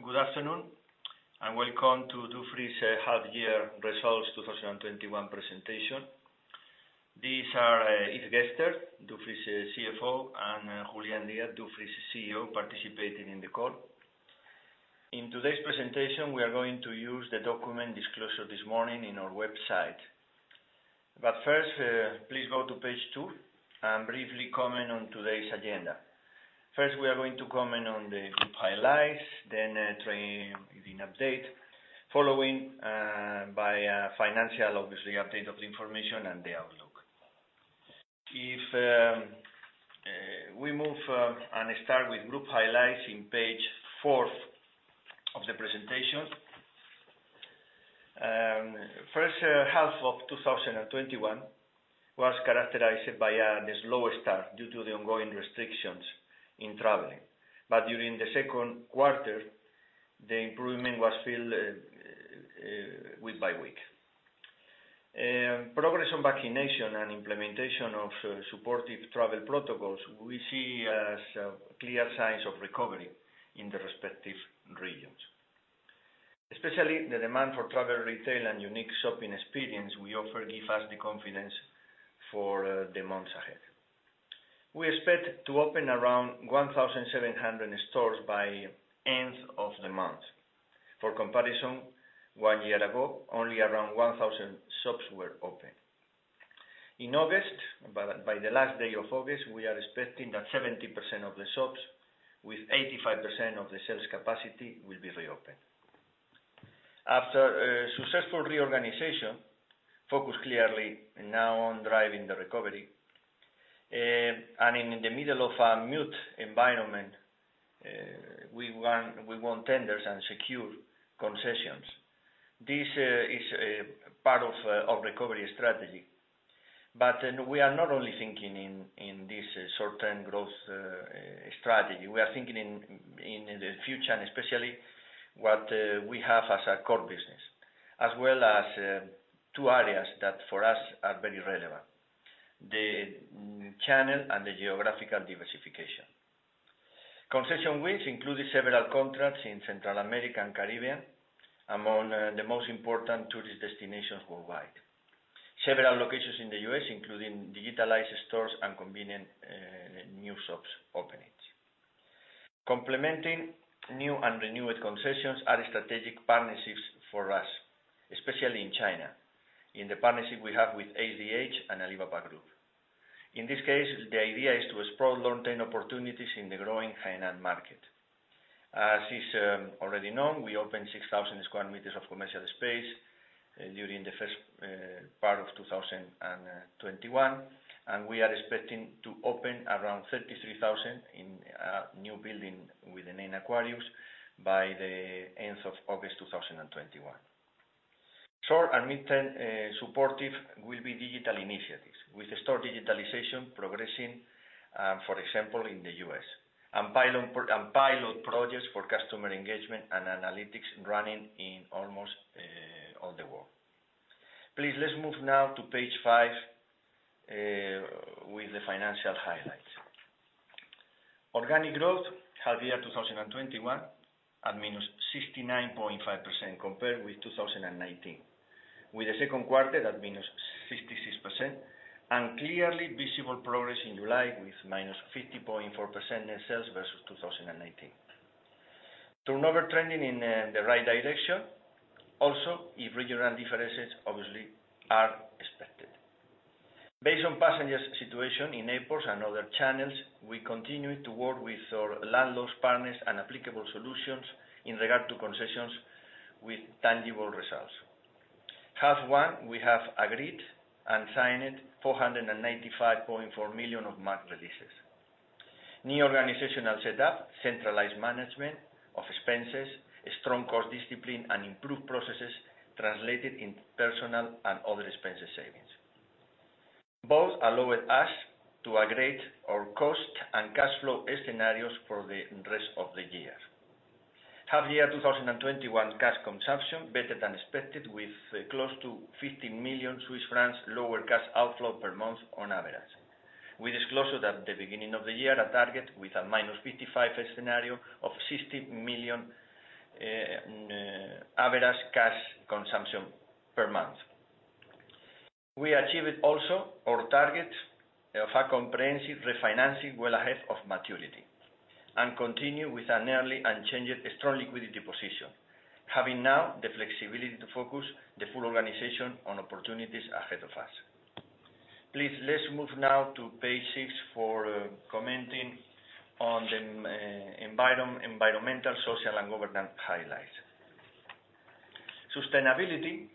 Good afternoon, Welcome to Dufry's Half-Year Results 2021 Presentation. These are Yves Gerster, Dufry's CFO, and Julián Díaz, Dufry's CEO, participating in the call. In today's presentation, we are going to use the document disclosed this morning on our website. First, please go to page 2 and briefly comment on today's agenda. We are going to comment on the group highlights, then trading update, followed by financial, obviously, update of the information, and the outlook. If we move and start with group highlights on page 4 of the presentation. First half of 2021 was characterized by a slow start due to the ongoing restrictions in traveling. During the second quarter, the improvement was felt week by week. Progress on vaccination and implementation of supportive travel protocols, we see as clear signs of recovery in the respective regions. Especially the demand for travel retail and the unique shopping experience we offer gives us confidence for the months ahead. We expect to open around 1,700 stores by the end of the month. For comparison, one year ago, only around 1,000 shops were open. In August, by the last day of August, we are expecting that 70% of the shops, with 85% of the sales capacity, will be reopened. After a successful reorganization, focused clearly now on driving the recovery, and in the middle of a mute environment, we won tenders and secured concessions. This is a part of our recovery strategy. We are not only thinking in this short-term growth strategy. We are thinking in the future, and especially what we have as our core business, as well as two areas that for us are very relevant, the channel and the geographical diversification. Concession wins included several contracts in Central America and the Caribbean, among the most important tourist destinations worldwide. Several locations in the U.S., including digitalized stores and convenient new shops openings. Complementing new and renewed concessions are strategic partnerships for us, especially in China, in the partnership we have with HDH and Alibaba Group. In this case, the idea is to explore long-term opportunities in the growing Hainan market. As is already known, we opened 6,000 sq m of commercial space during the first part of 2021, and we are expecting to open around 33,000 in a new building with the name Aquarius by the end of August 2021. Short- and mid-term supportive will be digital initiatives, with store digitalization progressing, for example, in the U.S., and pilot projects for customer engagement and analytics running in almost all the world. Please, let's move now to page 5 with the financial highlights. Organic growth half year 2021 at -69.5% compared with 2019, with the second quarter at -66% and clearly visible progress in July with -50.4% net sales versus 2019. Turnover trending in the right direction. Regional differences obviously are expected. Based on passenger situation in airports and other channels, we continue to work with our landlords, partners and applicable solutions in regard to concessions with tangible results. Half 1, we have agreed and signed 495.4 million of rent releases. New organizational setup, centralized management of expenses, strong cost discipline, and improved processes translated into personnel and other expenses savings. Both allowed us to upgrade our cost and cash flow scenarios for the rest of the year. Half year 2021 cash consumption better than expected, with close to 50 million Swiss francs lower cash outflow per month on average. We disclosed at the beginning of the year a target with a -55 scenario of 60 million average cash consumption per month. We achieved also our targets of a comprehensive refinancing well ahead of maturity and continue with a nearly unchanged strong liquidity position, having now the flexibility to focus the full organization on opportunities ahead of us. Please, let's move now to page 6 for commenting on the environmental, social, and governance highlights. Sustainability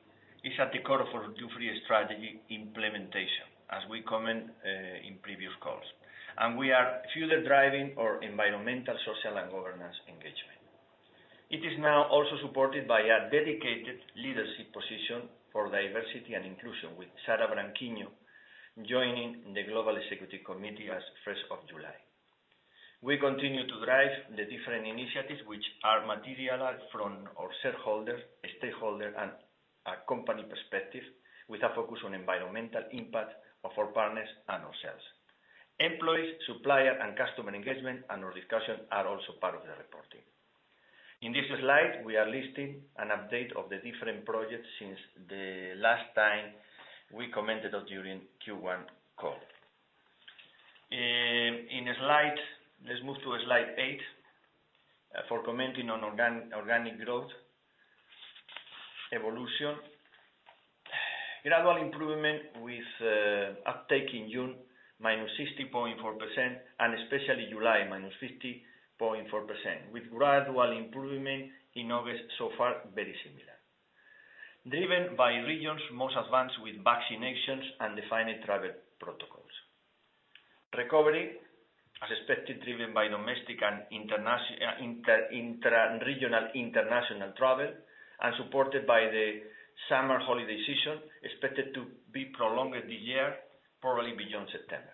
is at the core of our Dufry strategy implementation, as we commented in previous calls, and we are further driving our environmental, social, and governance engagement. It is now also supported by a dedicated leadership position for diversity and inclusion, with Sarah Branquinho joining the Global Executive Committee as of 1st of July. We continue to drive the different initiatives which are materialized from our shareholders, stakeholders and a company perspective with a focus on environmental impact of our partners and ourselves. Employees, supplier, and customer engagement in our discussion are also part of the reporting. In this slide, we are listing an update of the different projects since the last time we commented during the Q1 call. Let's move to slide 8 for commenting on organic growth evolution. Gradual improvement with uptake in June, -60.4%, and especially July, -50.4%, with gradual improvement in August, so far very similar. Driven by regions most advanced with vaccinations and defined travel protocols. Recovery, as expected, driven by domestic and intra-regional international travel and supported by the summer holiday season, expected to be prolonged this year, probably beyond September.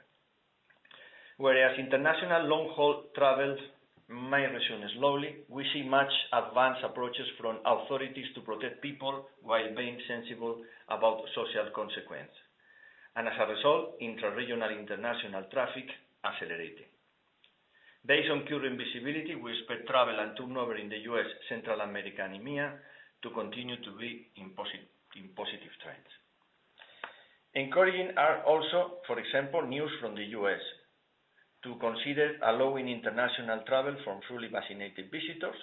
International long-haul travel may resume slowly, we see much advanced approaches from authorities to protect people while being sensible about social consequence. As a result, intra-regional international traffic accelerating. Based on current visibility, we expect travel and turnover in the U.S., Central America, and EMEA to continue to be in positive trends. Encouraging are also, for example, news from the U.S. to consider allowing international travel from fully vaccinated visitors,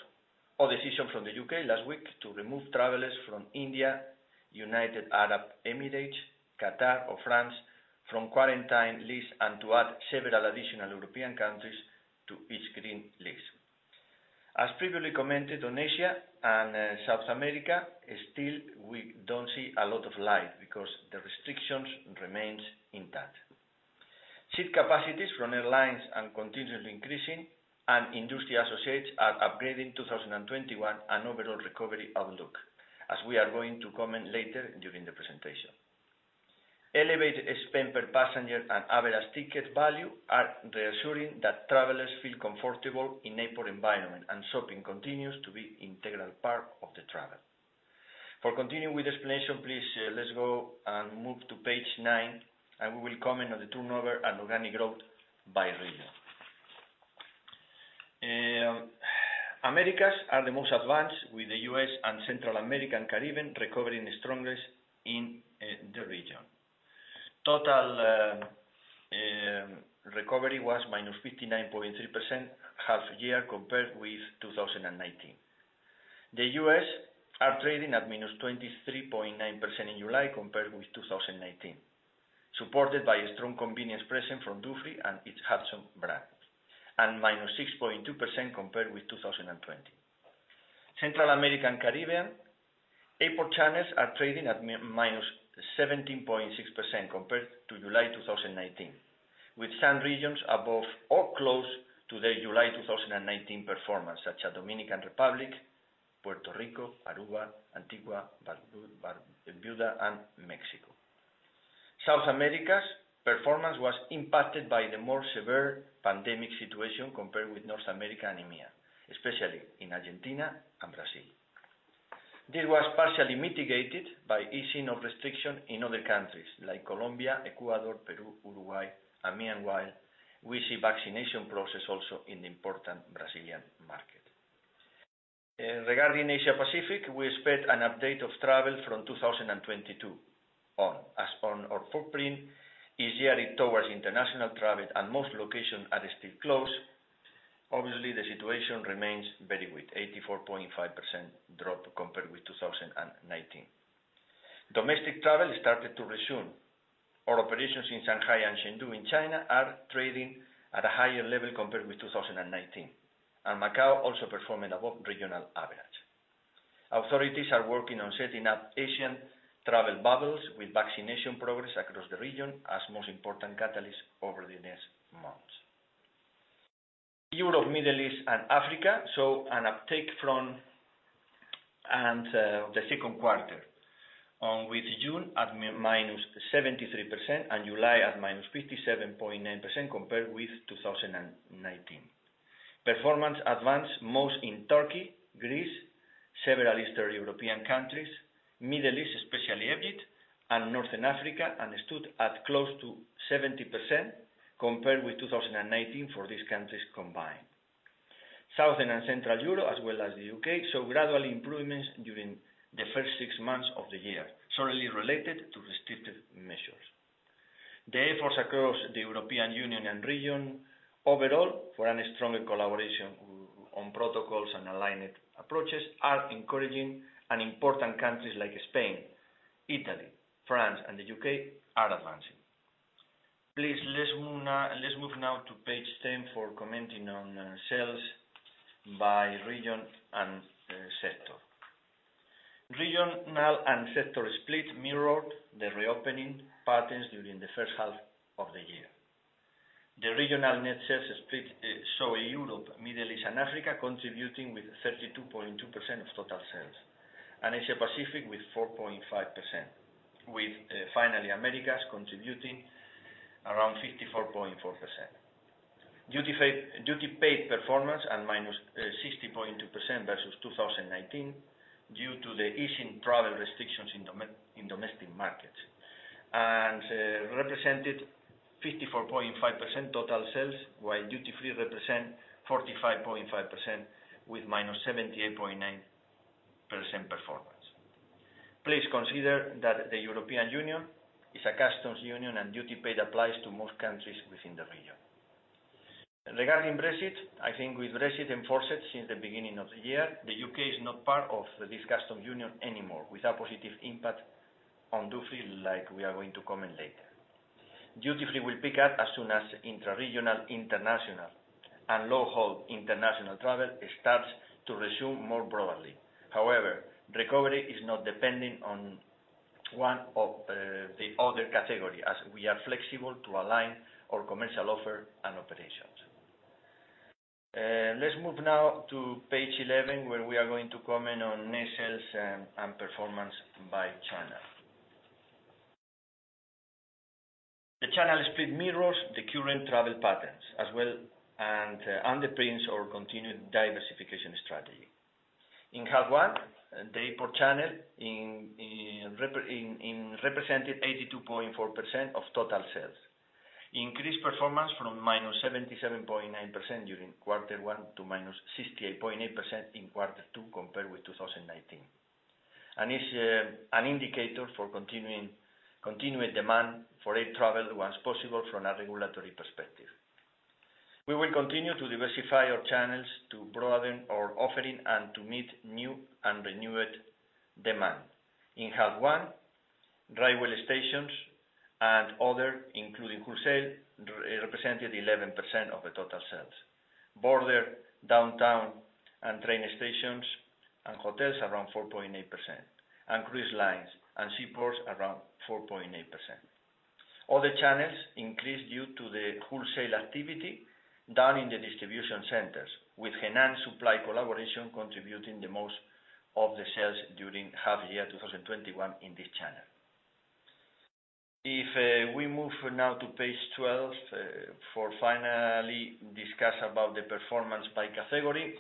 or decision from the U.K. last week to remove travelers from India, United Arab Emirates, Qatar, or France from quarantine lists and to add several additional European countries to its green list. As previously commented on Asia and South America, still we don't see a lot of light because the restrictions remain intact. Seat capacities from airlines are continually increasing, and industry associates are upgrading 2021 and overall recovery outlook, as we are going to comment later during the presentation. Elevated spend per passenger and average ticket value are reassuring that travelers feel comfortable in airport environment, and shopping continues to be integral part of the travel. For continuing with explanation, please, let's go and move to page 9, and we will comment on the turnover and organic growth by region. Americas are the most advanced, with the U.S. and Central America and Caribbean recovering the strongest in the region. Total recovery was -59.3% half year compared with 2019. The U.S. are trading at -23.9% in July compared with 2019, supported by a strong convenience presence from Dufry and its Hudson brand, and -6.2% compared with 2020. Central America and Caribbean airport channels are trading at -17.6% compared to July 2019, with some regions above or close to their July 2019 performance, such as Dominican Republic, Puerto Rico, Aruba, Antigua, Bermuda, and Mexico. South America's performance was impacted by the more severe pandemic situation compared with North America and EMEA, especially in Argentina and Brazil. This was partially mitigated by easing of restrictions in other countries like Colombia, Ecuador, Peru, Uruguay, and meanwhile, we see vaccination process also in the important Brazilian market. Regarding Asia Pacific, we expect an update of travel from 2022 on, as our footprint is geared towards international travel and most locations are still closed. Obviously, the situation remains very weak, 84.5% drop compared with 2019. Domestic travel started to resume. Our operations in Shanghai and Chengdu in China are trading at a higher level compared with 2019, and Macau also performing above regional average. Authorities are working on setting up Asian travel bubbles with vaccination progress across the region as most important catalyst over the next months. Europe, Middle East, and Africa saw an uptake of the second quarter, with June at -73% and July at -57.9% compared with 2019. Performance advanced most in Turkey, Greece, several Eastern European countries, Middle East, especially Egypt, and Northern Africa, and stood at close to 70% compared with 2019 for these countries combined. Southern and Central Europe, as well as the U.K., saw gradual improvements during the first six months of the year, solely related to restricted measures. The efforts across the European Union and region overall for a stronger collaboration on protocols and aligned approaches are encouraging, and important countries like Spain, Italy, France, and the U.K. are advancing. Please, let's move now to page 10 for commenting on sales by region and sector. Regional and sector split mirrored the reopening patterns during the first half of the year. The regional net sales split saw Europe, Middle East, and Africa contributing with 32.2% of total sales, and Asia-Pacific with 4.5%. With finally Americas contributing around 54.4%. Duty paid performance at -60.2% versus 2019, due to the easing travel restrictions in domestic markets, and represented 54.5% total sales, while duty-free represent 45.5% with -78.9% performance. Please consider that the European Union is a customs union, and duty paid applies to most countries within the region. Regarding Brexit, I think with Brexit in force since the beginning of the year, the U.K. is not part of this custom union anymore, with a positive impact on duty-free like we are going to comment later. Duty-free will pick up as soon as intra-regional, international, and low-haul international travel starts to resume more broadly. However, recovery is not dependent on one of the other category, as we are flexible to align our commercial offer and operations. Let's move now to page 11, where we are going to comment on net sales and performance by channel. The channel split mirrors the current travel patterns, and underpins our continued diversification strategy. In H1, the airport channel represented 82.4% of total sales, increased performance from -77.9% during Q1 to -68.8% in Q2 compared with 2019. Is an indicator for continued demand for air travel once possible from a regulatory perspective. We will continue to diversify our channels to broaden our offering and to meet new and renewed demand. In H1, railway stations and other, including wholesale, represented 11% of the total sales. Border, downtown, and train stations and hotels around 4.8%, and cruise lines and seaports around 4.8%. Other channels increased due to the wholesale activity done in the distribution centers, with Hainan supply collaboration contributing the most of the sales during half year 2021 in this channel. If we move now to page 12, for finally discuss about the performance by category.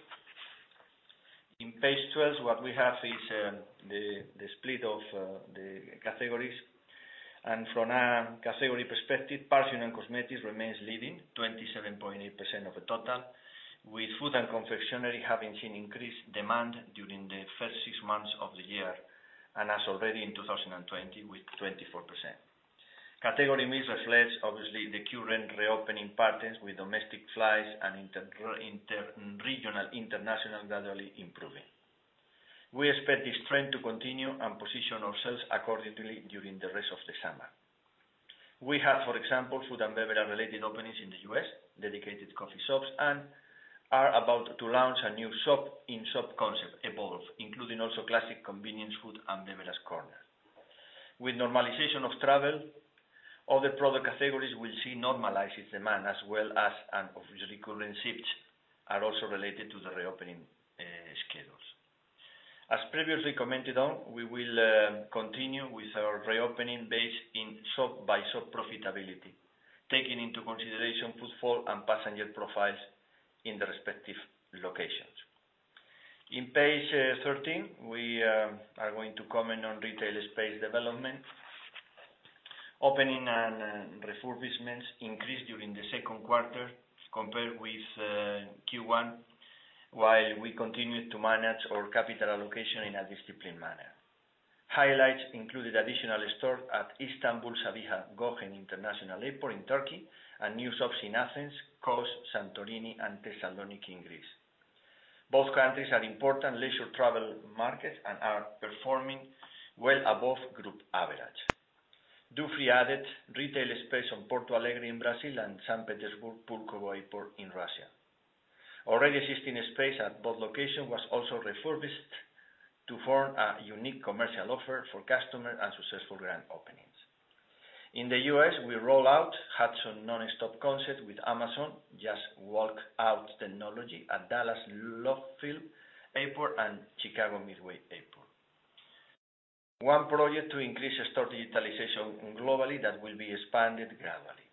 In page 12, what we have is the split of the categories. From a category perspective, perfume and cosmetics remains leading, 27.8% of the total, with food and confectionery having seen increased demand during the first six months of the year, and as already in 2020 with 24%. Category mix reflects obviously the current reopening patterns with domestic flights and inter-regional, international gradually improving. We expect this trend to continue and position ourselves accordingly during the rest of the summer. We have, for example, food and beverage-related openings in the U.S., dedicated coffee shops, and are about to launch a new shop-in-shop concept, Evolve, including also classic convenience food and beverage corner. With normalization of travel, other product categories will see normalized demand as well as, and obviously, current shifts are also related to the reopening schedules. As previously commented on, we will continue with our reopening based in shop-by-shop profitability, taking into consideration footfall and passenger profiles in the respective locations. In page 13, we are going to comment on retail space development. Opening and refurbishments increased during the second quarter compared with Q1, while we continued to manage our capital allocation in a disciplined manner. Highlights included additional store at Istanbul Sabiha Gokcen International Airport in Turkey, and new shops in Athens, Kos, Santorini and Thessaloniki in Greece. Both countries are important leisure travel markets and are performing well above group average. Dufry added retail space on Porto Alegre in Brazil and Saint Petersburg Pulkovo Airport in Russia. Already existing space at both location was also refurbished to form a unique commercial offer for customer and successful grand openings. In the U.S., we roll out Hudson Nonstop concept with Amazon Just Walk Out technology at Dallas Love Field Airport and Chicago Midway Airport. One project to increase store digitalization globally that will be expanded gradually.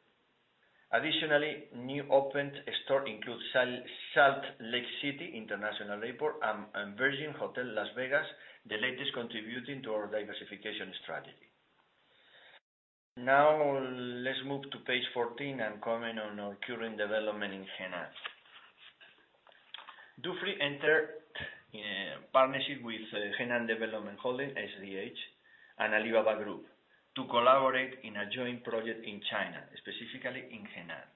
Additionally, new opened store includes Salt Lake City International Airport and Virgin Hotel Las Vegas, the latest contributing to our diversification strategy. Now let's move to page 14 and comment on our current development in Hainan. Dufry entered partnership with Hainan Development Holdings, HDH, and Alibaba Group to collaborate in a joint project in China, specifically in Hainan.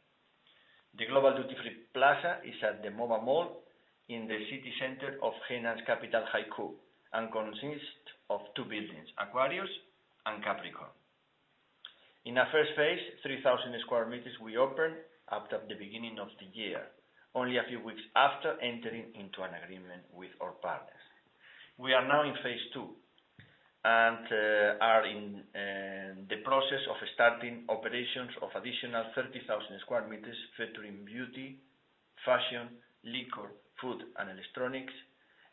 The global duty-free plaza is at the Mova Mall in the city center of Hainan's capital, Haikou, and consists of two buildings, Aquarius and Capricorn. In our first phase, 3,000 square meters we opened at the beginning of the year, only a few weeks after entering into an agreement with our partners. We are now in phase 2, and are in the process of starting operations of additional 30,000 square meters featuring beauty, fashion, liquor, food, and electronics,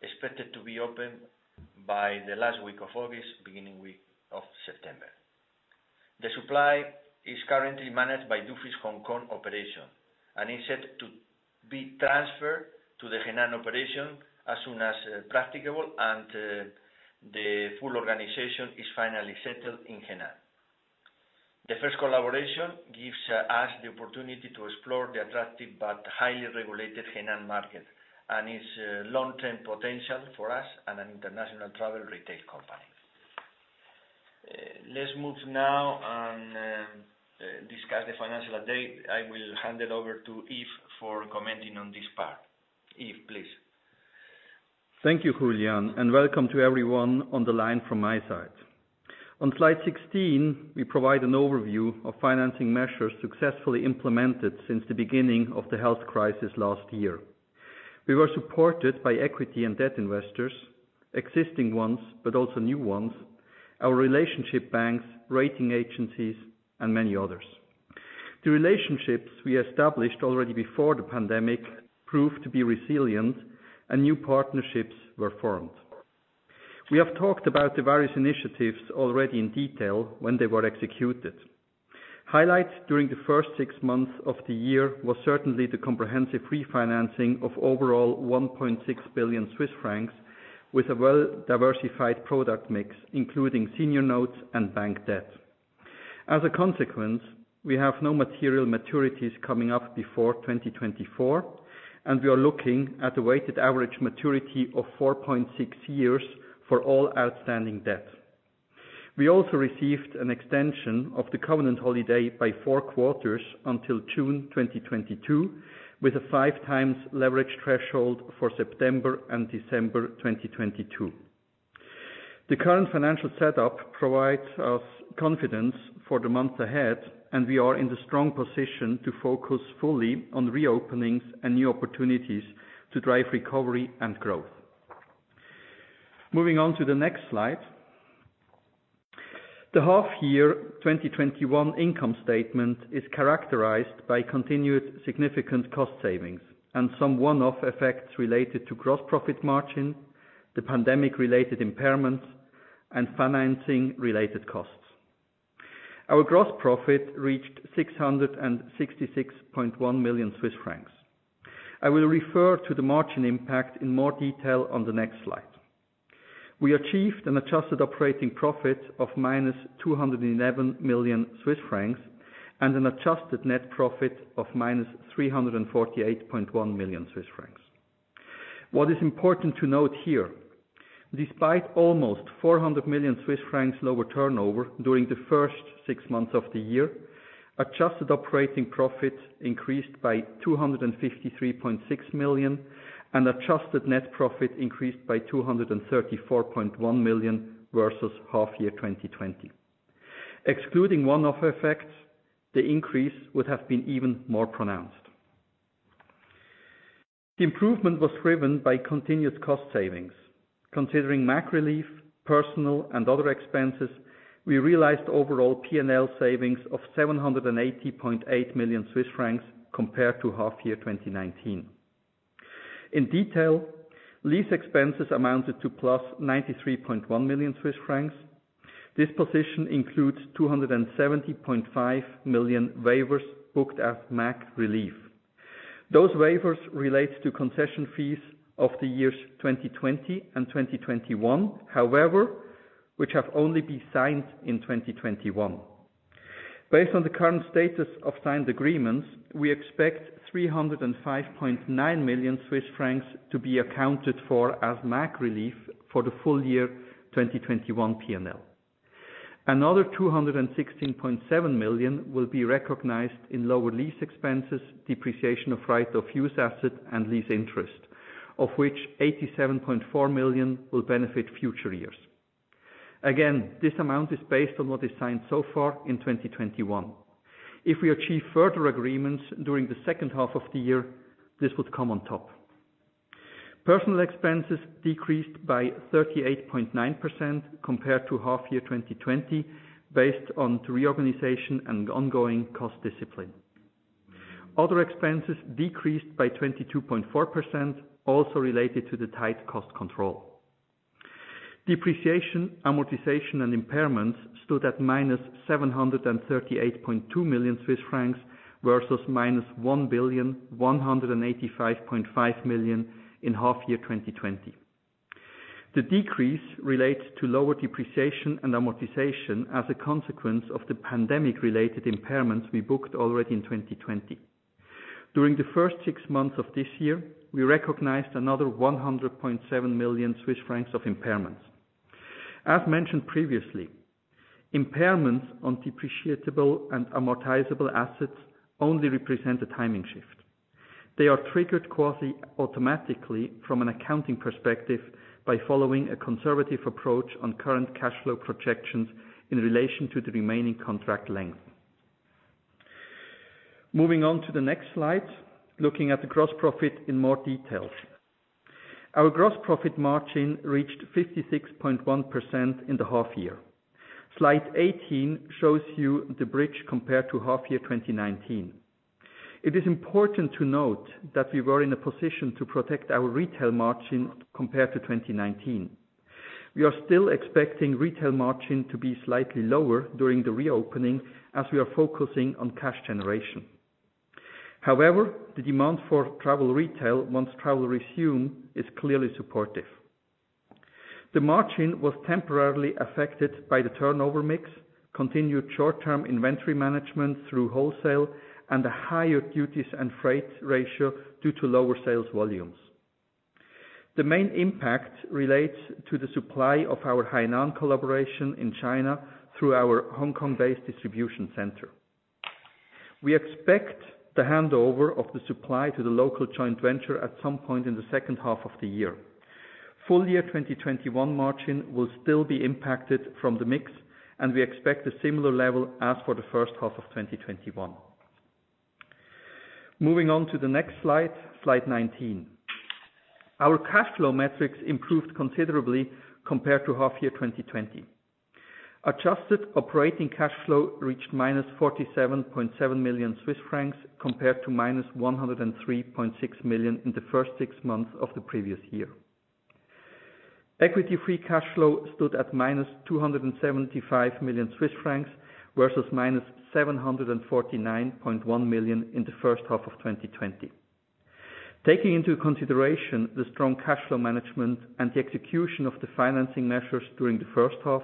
expected to be open by the last week of August, beginning week of September. The supply is currently managed by Dufry's Hong Kong operation, and is set to be transferred to the Hainan operation as soon as practicable, and the full organization is finally settled in Hainan. The first collaboration gives us the opportunity to explore the attractive but highly regulated Hainan market, and its long-term potential for us as an international travel retail company. Let's move now and discuss the financial update. I will hand it over to Yves for commenting on this part. Yves, please. Thank you, Julián, and welcome to everyone on the line from my side. On slide 16, we provide an overview of financing measures successfully implemented since the beginning of the health crisis last year. We were supported by equity and debt investors, existing ones, but also new ones, our relationship banks, rating agencies, and many others. The relationships we established already before the pandemic proved to be resilient and new partnerships were formed. We have talked about the various initiatives already in detail when they were executed. Highlights during the first six months of the year was certainly the comprehensive refinancing of overall 1.6 billion Swiss francs, with a well-diversified product mix, including senior notes and bank debt. As a consequence, we have no material maturities coming up before 2024, and we are looking at a weighted average maturity of 4.6 years for all outstanding debt. We also received an extension of the covenant holiday by 4 quarters until June 2022, with a 5 times leverage threshold for September and December 2022. The current financial setup provides us confidence for the months ahead, and we are in a strong position to focus fully on reopenings and new opportunities to drive recovery and growth. Moving on to the next slide. The H1 2021 income statement is characterized by continued significant cost savings and some one-off effects related to gross profit margin, the pandemic-related impairments, and financing-related costs. Our gross profit reached 666.1 million Swiss francs. I will refer to the margin impact in more detail on the next slide. We achieved an adjusted operating profit of -211 million Swiss francs and an adjusted net profit of -348.1 million Swiss francs. What is important to note here, despite almost 400 million Swiss francs lower turnover during the first six months of the year, adjusted operating profit increased by 253.6 million, and adjusted net profit increased by 234.1 million versus half year 2020. Excluding one-off effects, the increase would have been even more pronounced. The improvement was driven by continued cost savings. Considering MAG relief, personal, and other expenses, we realized overall P&L savings of 780.8 million Swiss francs compared to half year 2019. In detail, lease expenses amounted to plus 93.1 million Swiss francs. This position includes 270.5 million waivers booked as MAG relief. Those waivers relate to concession fees of the years 2020 and 2021, however, which have only been signed in 2021. Based on the current status of signed agreements, we expect 305.9 million Swiss francs to be accounted for as MAG relief for the full year 2021 P&L. Another 216.7 million will be recognized in lower lease expenses, depreciation of right-of-use asset, and lease interest, of which 87.4 million will benefit future years. Again, this amount is based on what is signed so far in 2021. If we achieve further agreements during the second half of the year, this would come on top. Personal expenses decreased by 38.9% compared to half year 2020 based on the reorganization and ongoing cost discipline. Other expenses decreased by 22.4%, also related to the tight cost control. Depreciation, amortization, and impairments stood at -738.2 million Swiss francs versus -1,185.5 million in half year 2020. The decrease relates to lower depreciation and amortization as a consequence of the pandemic-related impairments we booked already in 2020. During the first six months of this year, we recognized another 100.7 million Swiss francs of impairments. As mentioned previously, impairments on depreciable and amortizable assets only represent a timing shift. They are triggered quasi automatically from an accounting perspective by following a conservative approach on current cash flow projections in relation to the remaining contract length. Moving on to the next slide, looking at the gross profit in more detail. Our gross profit margin reached 56.1% in the half-year. Slide 18 shows you the bridge compared to half year 2019. It is important to note that we were in a position to protect our retail margin compared to 2019. We are still expecting retail margin to be slightly lower during the reopening as we are focusing on cash generation. However, the demand for travel retail, once travel resume, is clearly supportive. The margin was temporarily affected by the turnover mix, continued short-term inventory management through wholesale, and a higher duties and freight ratio due to lower sales volumes. The main impact relates to the supply of our Hainan collaboration in China through our Hong Kong-based distribution center. We expect the handover of the supply to the local joint venture at some point in the second half of the year. Full year 2021 margin will still be impacted from the mix, and we expect a similar level as for the first half of 2021. Moving on to the next slide 19. Our cash flow metrics improved considerably compared to H1 2020. Adjusted operating cash flow reached -47.7 million Swiss francs compared to -103.6 million in the 6 months of the previous year. Equity free cash flow stood at -275 million Swiss francs versus -749.1 million in the first half of 2020. Taking into consideration the strong cash flow management and the execution of the financing measures during the first half,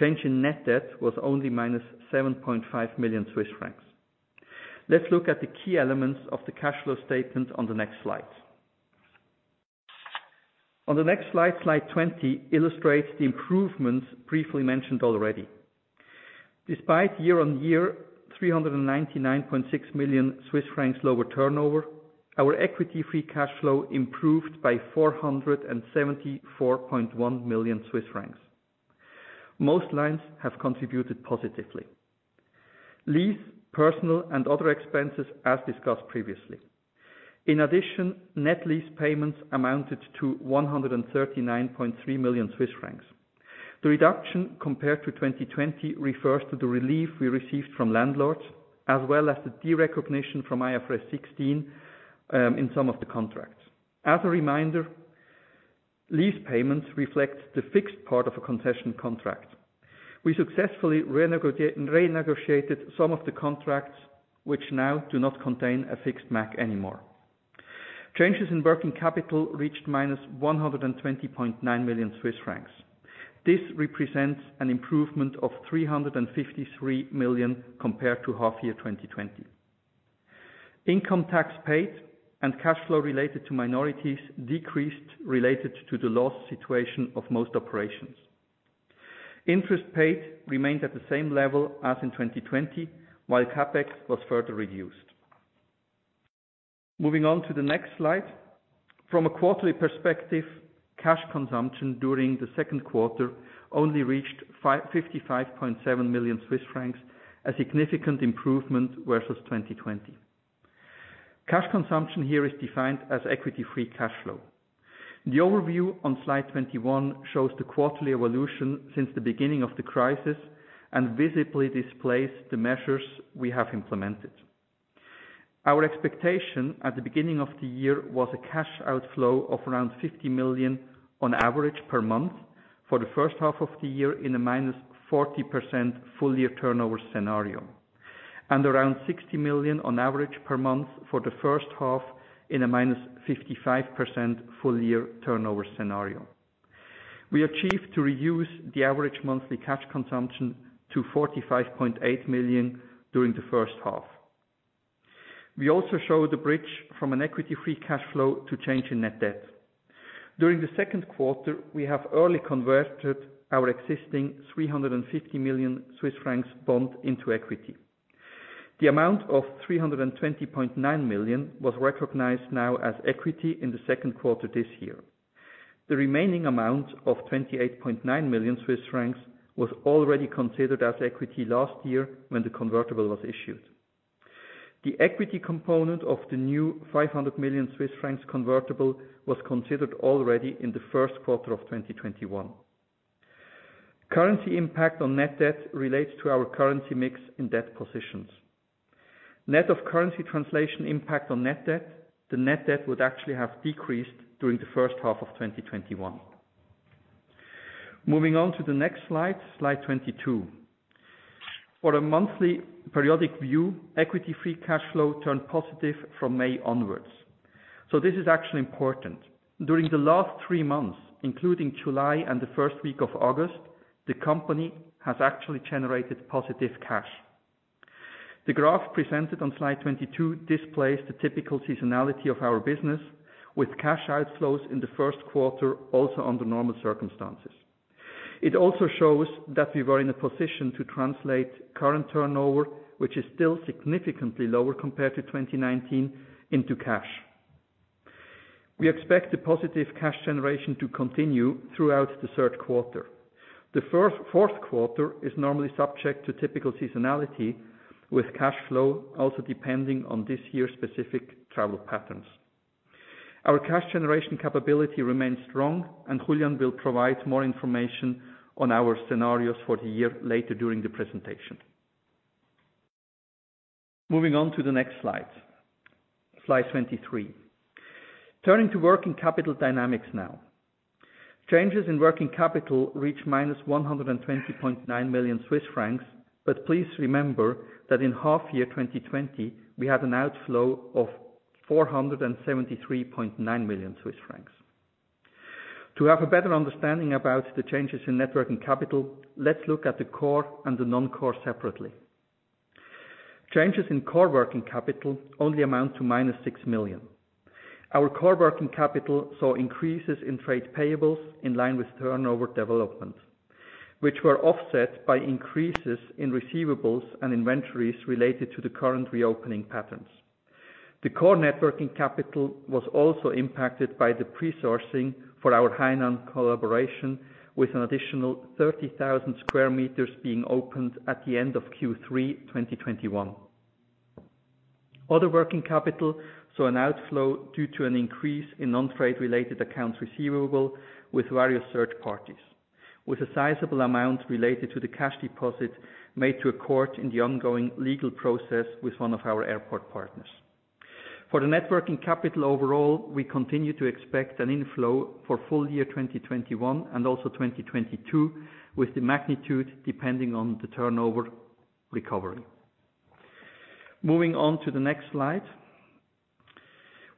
change in net debt was only -7.5 million Swiss francs. Let's look at the key elements of the cash flow statement on the next slide. On the next slide 20 illustrates the improvements briefly mentioned already. Despite year-over-year 399.6 million Swiss francs lower turnover, our equity free cash flow improved by 474.1 million Swiss francs. Most lines have contributed positively. Lease, personal, and other expenses as discussed previously. In addition, net lease payments amounted to 139.3 million Swiss francs. The reduction compared to 2020 refers to the relief we received from landlords, as well as the derecognition from IFRS 16 in some of the contracts. As a reminder, lease payments reflect the fixed part of a concession contract. We successfully renegotiated some of the contracts, which now do not contain a fixed MAG anymore. Changes in working capital reached -120.9 million Swiss francs. This represents an improvement of 353 million compared to half year 2020. Income tax paid and cash flow related to minorities decreased related to the loss situation of most operations. Interest paid remained at the same level as in 2020, while CapEx was further reduced. Moving on to the next slide. From a quarterly perspective, cash consumption during the second quarter only reached 55.7 million Swiss francs, a significant improvement versus 2020. Cash consumption here is defined as equity free cash flow. The overview on slide 21 shows the quarterly evolution since the beginning of the crisis and visibly displays the measures we have implemented. Our expectation at the beginning of the year was a cash outflow of around 50 million on average per month for the first half of the year in a -40% full-year turnover scenario, and around 60 million on average per month for the first half in a -55% full-year turnover scenario. We achieved to reduce the average monthly cash consumption to 45.8 million during the first half. We also show the bridge from an equity free cash flow to change in net debt. During the second quarter, we have early converted our existing 350 million Swiss francs bond into equity. The amount of 320.9 million was recognized now as equity in the second quarter this year. The remaining amount of 28.9 million Swiss francs was already considered as equity last year when the convertible was issued. The equity component of the new 500 million Swiss francs convertible was considered already in the first quarter of 2021. Currency impact on net debt relates to our currency mix in debt positions. Net of currency translation impact on net debt, the net debt would actually have decreased during the first half of 2021. Moving on to the next slide 22. For a monthly periodic view, equity free cash flow turned positive from May onwards. This is actually important. During the last three months, including July and the first week of August, the company has actually generated positive cash. The graph presented on slide 22 displays the typical seasonality of our business with cash outflows in the first quarter, also under normal circumstances. It also shows that we were in a position to translate current turnover, which is still significantly lower compared to 2019, into cash. We expect the positive cash generation to continue throughout the third quarter. The fourth quarter is normally subject to typical seasonality, with cash flow also depending on this year's specific travel patterns. Our cash generation capability remains strong, and Julián will provide more information on our scenarios for the year later during the presentation. Moving on to the next slide 23. Turning to working capital dynamics now. Changes in working capital reach -120.9 million Swiss francs, but please remember that in half year 2020, we had an outflow of 473.9 million Swiss francs. To have a better understanding about the changes in net working capital, let's look at the core and the non-core separately. Changes in core working capital only amount to -6 million. Our core working capital saw increases in trade payables in line with turnover development, which were offset by increases in receivables and inventories related to the current reopening patterns. The core net working capital was also impacted by the pre-sourcing for our Hainan collaboration, with an additional 30,000 sq m being opened at the end of Q3 2021. Other working capital saw an outflow due to an increase in non-trade related accounts receivable with various third parties, with a sizable amount related to the cash deposit made to a court in the ongoing legal process with one of our airport partners. For the net working capital overall, we continue to expect an inflow for full year 2021 and also 2022, with the magnitude depending on the turnover recovery. Moving on to the next slide.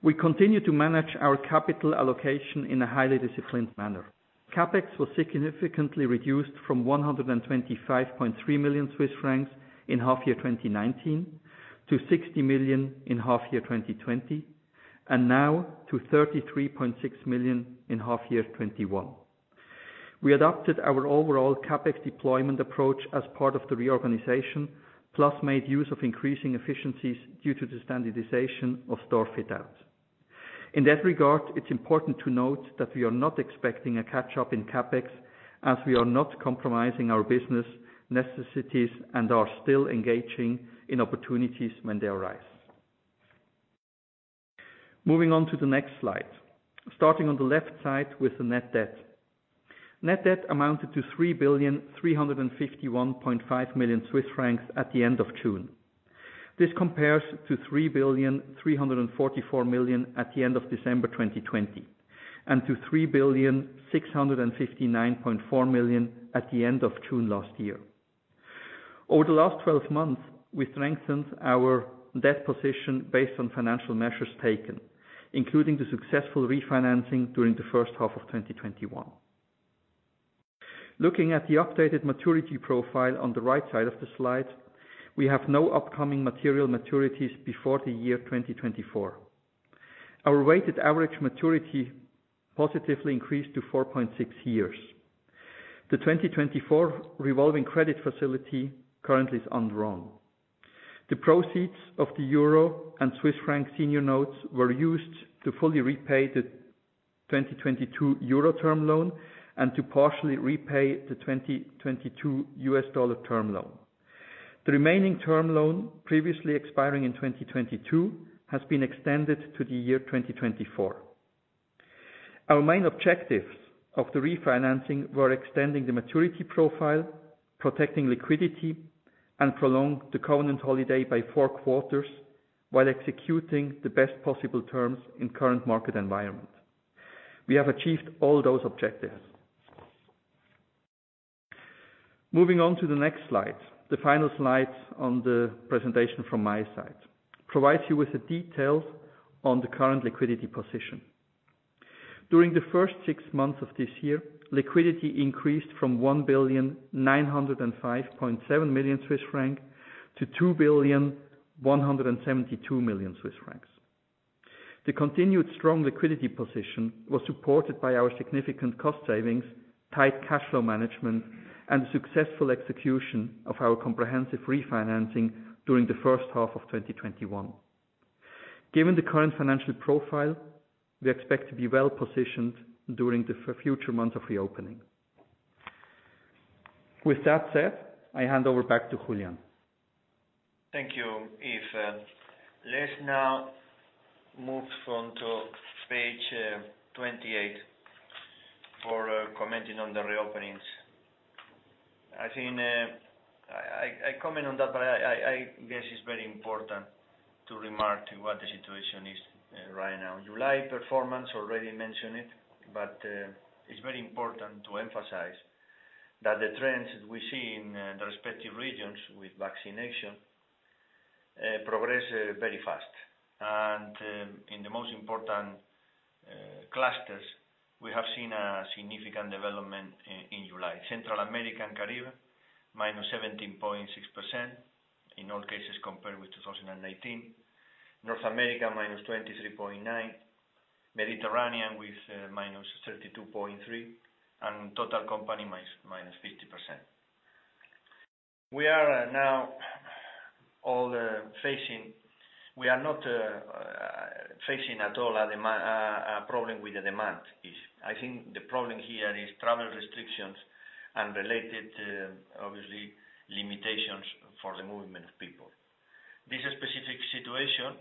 We continue to manage our capital allocation in a highly disciplined manner. CapEx was significantly reduced from 125.3 million Swiss francs in half year 2019 to 60 million in half year 2020, and now to 33.6 million in half year 2021. We adopted our overall CapEx deployment approach as part of the reorganization, plus made use of increasing efficiencies due to the standardization of store fit-outs. In that regard, it is important to note that we are not expecting a catch-up in CapEx, as we are not compromising our business necessities and are still engaging in opportunities when they arise. Moving on to the next slide. Starting on the left side with the net debt. Net debt amounted to 3,351.5 million Swiss francs at the end of June. This compares to 3,344 million at the end of December 2020, and to 3,659.4 million at the end of June last year. Over the last 12 months, we strengthened our debt position based on financial measures taken, including the successful refinancing during the first half of 2021. Looking at the updated maturity profile on the right side of the slide, we have no upcoming material maturities before the year 2024. Our weighted average maturity positively increased to 4.6 years. The 2024 revolving credit facility currently is undrawn. The proceeds of the euro and Swiss franc senior notes were used to fully repay the 2022 euro term loan and to partially repay the 2022 US dollar term loan. The remaining term loan, previously expiring in 2022, has been extended to the year 2024. Our main objectives of the refinancing were extending the maturity profile, protecting liquidity, and prolong the covenant holiday by four quarters, while executing the best possible terms in current market environment. We have achieved all those objectives. Moving on to the next slide. The final slide on the presentation from my side provides you with the details on the current liquidity position. During the first six months of this year, liquidity increased from 1,905.7 million-2,172 million Swiss francs. The continued strong liquidity position was supported by our significant cost savings, tight cash flow management, and successful execution of our comprehensive refinancing during the first half of 2021. Given the current financial profile, we expect to be well-positioned during the future months of reopening. With that said, I hand over back to Julián. Thank you, Yves. Let's now move on to page 28 for commenting on the reopenings. I comment on that, but I guess it's very important to remark what the situation is right now. July performance, already mentioned it, but it's very important to emphasize that the trends we see in the respective regions with vaccination progress very fast. In the most important clusters, we have seen a significant development in July. Central America and Caribbean, -17.6%, in all cases compared with 2019. North America, -23.9%. Mediterranean, with -32.3%, and total company, -50%. We are not facing at all a problem with the demand. I think the problem here is travel restrictions and related, obviously, limitations for the movement of people. This specific situation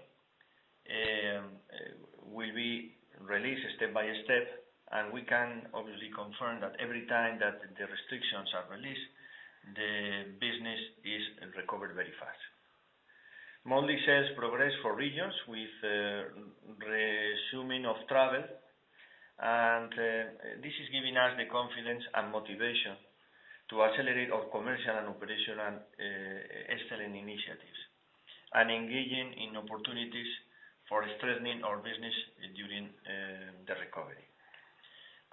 will be released step by step, and we can obviously confirm that every time that the restrictions are released, the business is recovered very fast. Monthly sales progress for regions with resuming of travel. This is giving us the confidence and motivation to accelerate our commercial and operational excellence initiatives and engaging in opportunities for strengthening our business during the recovery.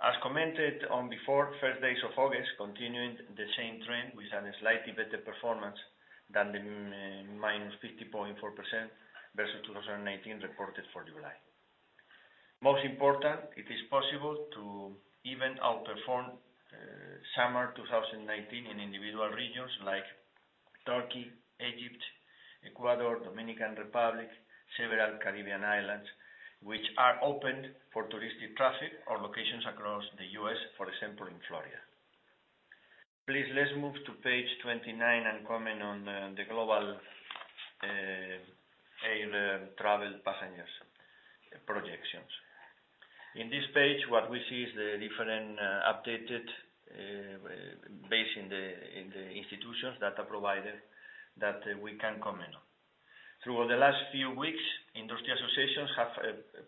As commented on before, first days of August continuing the same trend with a slightly better performance than the -50.4% versus 2019 reported for July. Most important, it is possible to even outperform summer 2019 in individual regions like Turkey, Egypt, Ecuador, Dominican Republic, several Caribbean islands, which are opened for touristic traffic or locations across the U.S., for example, in Florida. Please, let's move to page 29 and comment on the global air travel passengers projections. In this page, what we see is the different updated based in the institutions data provider that we can comment on. Throughout the last few weeks, industry associations have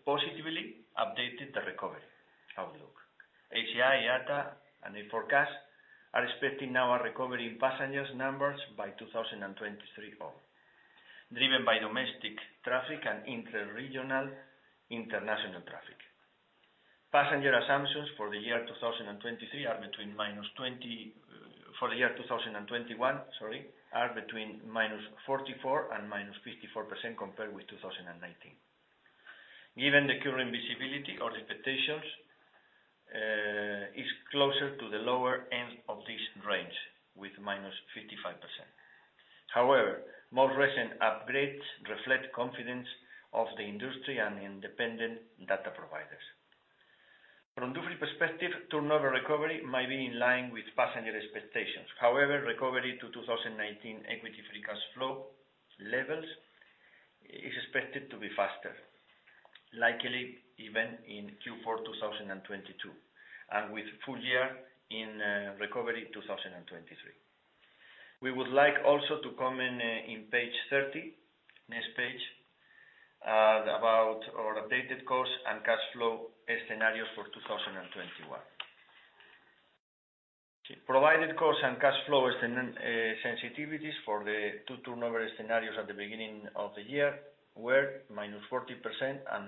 positively updated the recovery outlook. ACI, IATA, and Air4casts are expecting now a recovery in passengers numbers by 2023 on, driven by domestic traffic and interregional international traffic. Passenger assumptions for the year 2023 are between for the year 2021, sorry, are between -44% and -54% compared with 2019. Given the current visibility or expectations, is closer to the lower end of this range with -55%. More recent upgrades reflect confidence of the industry and independent data providers. From Dufry perspective, turnover recovery might be in line with passenger expectations. [However] recovery to 2019 equity free cash flow levels is expected to be faster, likely even in Q4 2022, and with full year in recovery 2023. We would like also to comment in page 30, next page, about our updated cost and cash flow scenarios for 2021. Provided cost and cash flow sensitivities for the two turnover scenarios at the beginning of the year were -40% and -55%.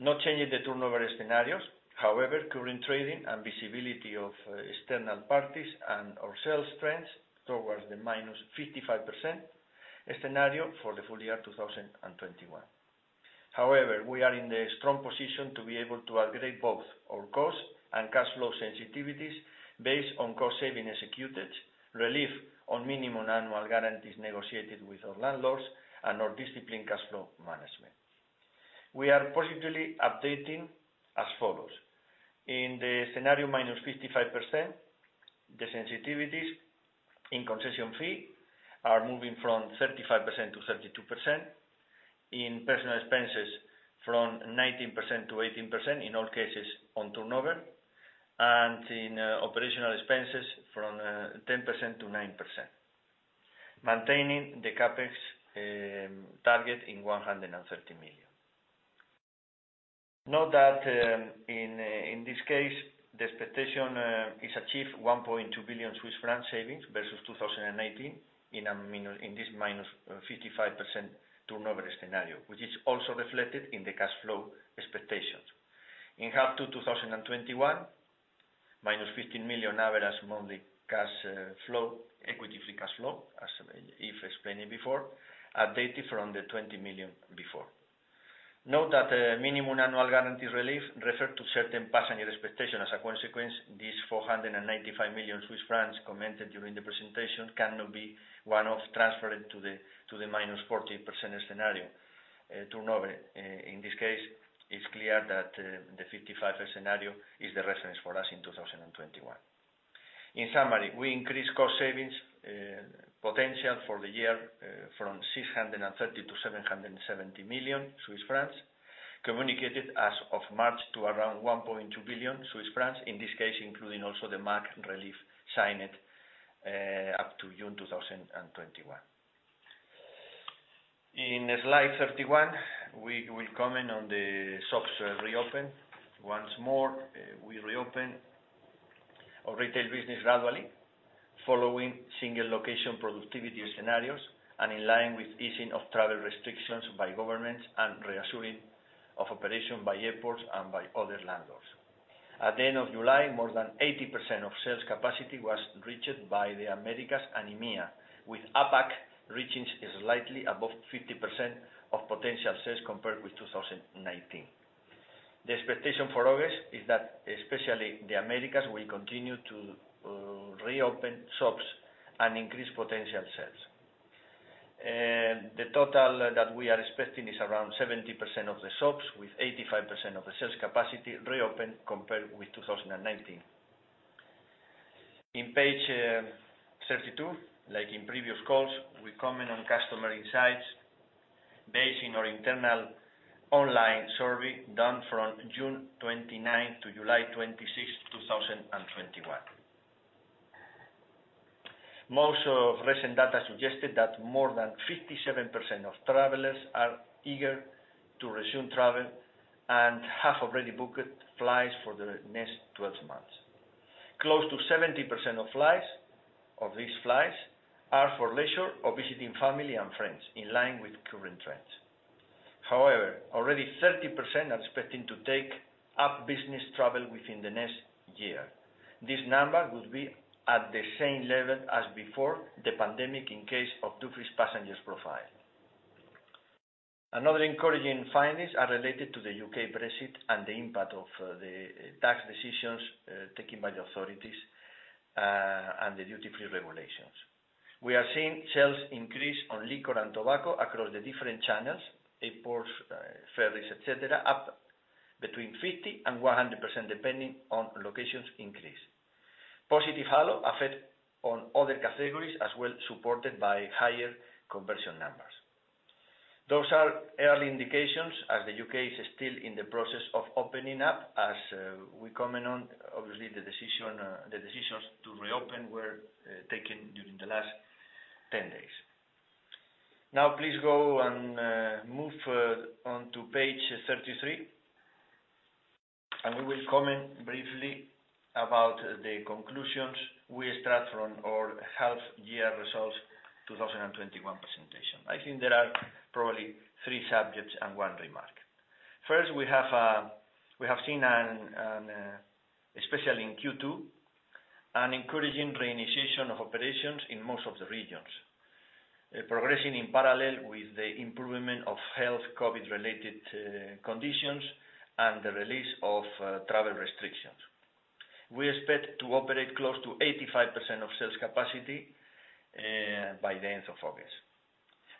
Not changing the turnover scenarios, however, current trading and visibility of external parties and our sales trends towards the -55% scenario for the full year 2021. However, we are in the strong position to be able to upgrade both our cost and cash flow sensitivities based on cost saving executed, relief on minimum annual guarantees negotiated with our landlords, and our disciplined cash flow management. We are positively updating as follows. In the scenario -55%, the sensitivities in concession fee are moving from 35%-32%, in personal expenses from 19%-18%, in all cases on turnover, and in operational expenses from 10%-9%, maintaining the CapEx target in 130 million. Note that in this case, the expectation is achieve 1.2 billion Swiss franc savings versus 2019 in this -55% turnover scenario, which is also reflected in the cash flow expectations. In H2 2021, -15 million average monthly cash flow, equity free cash flow, as if explained before, updated from the 20 million before. Note that minimum annual guarantee relief refer to certain passenger expectation. As a consequence, these 495 million Swiss francs commented during the presentation cannot be one-off transferred to the -14% scenario turnover. In this case, it's clear that the 55 scenario is the reference for us in 2021. In summary, we increased cost savings potential for the year from 630 million-770 million Swiss francs, communicated as of March to around 1.2 billion Swiss francs, in this case, including also the MAG relief signed up to June 2021. In slide 31, we will comment on the shops reopen. Once more, we reopen our retail business gradually following single location productivity scenarios and in line with easing of travel restrictions by governments and reassuring of operation by airports and by other landlords. At the end of July, more than 80% of sales capacity was reached by the Americas and EMEA, with APAC reaching slightly above 50% of potential sales compared with 2019. The expectation for August is that especially the Americas will continue to reopen shops and increase potential sales. The total that we are expecting is around 70% of the shops with 85% of the sales capacity reopened compared with 2019. In page 32, like in previous calls, we comment on customer insights based on our internal online survey done from June 29th to July 26, 2021. Most of recent data suggested that more than 57% of travelers are eager to resume travel and have already booked flights for the next 12 months. Close to 70% of these flights are for leisure or visiting family and friends, in line with current trends. Already 30% are expecting to take up business travel within the next year. This number would be at the same level as before the pandemic in case of Dufry's passengers profile. Another encouraging findings are related to the U.K. Brexit and the impact of the tax decisions taken by the authorities, and the duty-free regulations. We are seeing sales increase on liquor and tobacco across the different channels, airports, ferries, et cetera, up between 50% and 100%, depending on locations increase. Positive halo effect on other categories as well, supported by higher conversion numbers. Those are early indications as the U.K. is still in the process of opening up. As we comment on, obviously, the decisions to reopen were taken during the last 10 days. Now, please go and move on to page 33, and we will comment briefly about the conclusions we extract from our half year results 2021 presentation. I think there are probably three subjects and one remark. First, we have seen, especially in Q2, an encouraging reinitiation of operations in most of the regions, progressing in parallel with the improvement of health COVID-related conditions and the release of travel restrictions. We expect to operate close to 85% of sales capacity by the end of August.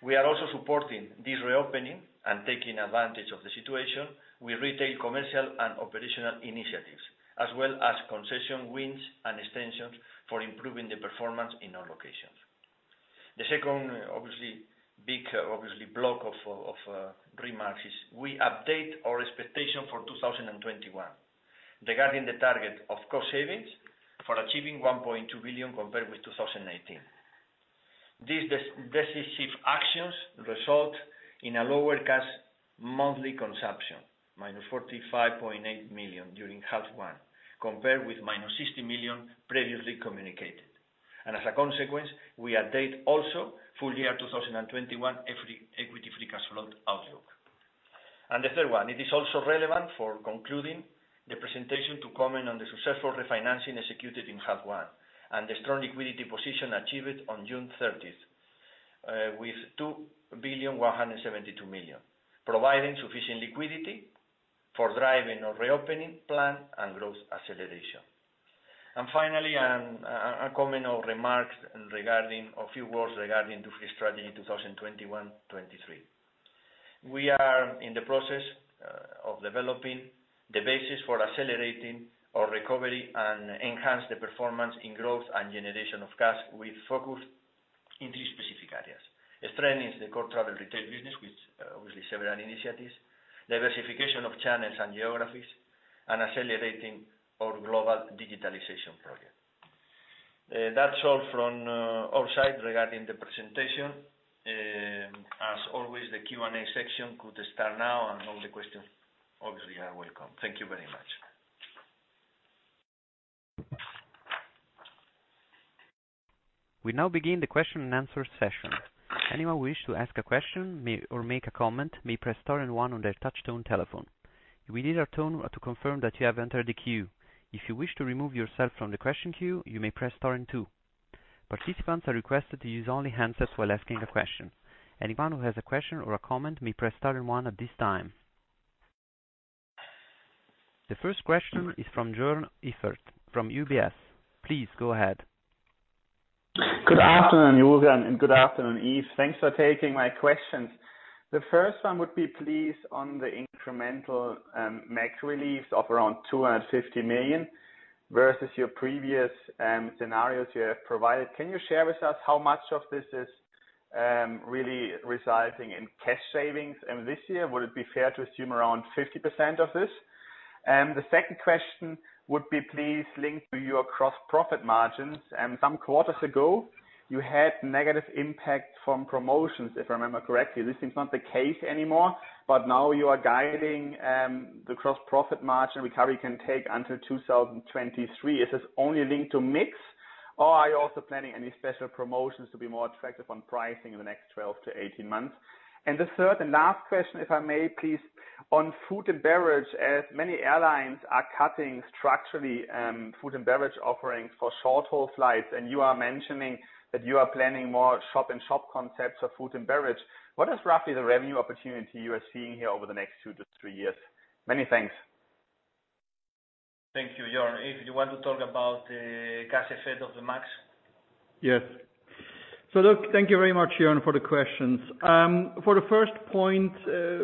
We are also supporting this reopening and taking advantage of the situation with retail commercial and operational initiatives, as well as concession wins and extensions for improving the performance in our locations. The second, obviously big block of remarks is we update our expectation for 2021 regarding the target of cost savings for achieving 1.2 billion compared with 2019. These decisive actions result in a lower cash monthly consumption, -45.8 million during H1, compared with -60 million previously communicated. As a consequence, we update also full year 2021 equity free cash flow outlook. The third one, it is also relevant for concluding the presentation to comment on the successful refinancing executed in H1 and the strong liquidity position achieved on June 30th with 2.172 billion, providing sufficient liquidity for driving our reopening plan and growth acceleration. Finally, a comment or remarks a few words regarding Dufry strategy 2021, 2023. We are in the process of developing the basis for accelerating our recovery and enhance the performance in growth and generation of cash with focus in 3 specific areas, strengthening the core travel retail business with obviously several initiatives, diversification of channels and geographies, and accelerating our global digitalization project. That's all from our side regarding the presentation. As always, the Q&A section could start now, and all the questions obviously are welcome. Thank you very much. The first question is from Joern Iffert from UBS. Please go ahead. Good afternoon, Julián, and good afternoon, Yves. Thanks for taking my questions. The first one would be, please, on the incremental MAG release of around 250 million versus your previous scenarios you have provided. Can you share with us how much of this is really residing in cash savings in this year? Would it be fair to assume around 50% of this? The second question would be please linked to your gross profit margins. Some quarters ago, you had negative impact from promotions, if I remember correctly. This is not the case anymore, but now you are guiding the gross profit margin recovery can take until 2023. Is this only linked to mix, or are you also planning any special promotions to be more attractive on pricing in the next 12-18 months? The third and last question, if I may, please, on food and beverage, as many airlines are cutting structurally food and beverage offerings for short-haul flights, and you are mentioning that you are planning more shop-in-shop concepts for food and beverage, what is roughly the revenue opportunity you are seeing here over the next 2-3 years? Many thanks. Thank you, Joern. If you want to talk about the cash effect of the MAGs. Yes. Look, thank you very much, Joern Iffert, for the questions. For the first point,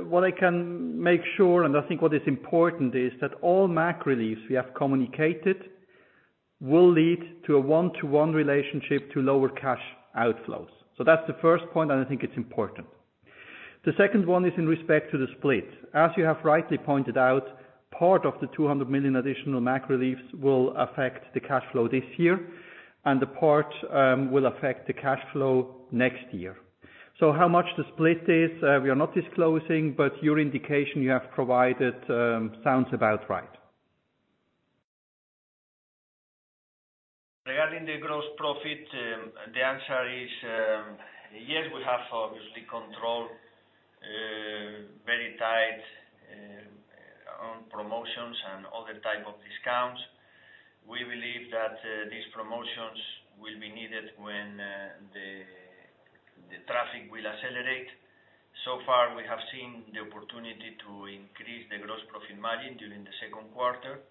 what I can make sure, and I think what is important is that all MAG reliefs we have communicated will lead to a one-to-one relationship to lower cash outflows. That's the first point, and I think it's important. The second one is in respect to the split. As you have rightly pointed out, part of the 200 million additional MAG reliefs will affect the cash flow this year, and the part will affect the cash flow next year. How much the split is, we are not disclosing, but your indication you have provided sounds about right. Regarding the gross profit, the answer is yes, we have obviously control, very tight on promotions and other type of discounts. We believe that these promotions will be needed when the traffic will accelerate. Far, we have seen the opportunity to increase the gross profit margin during the second quarter.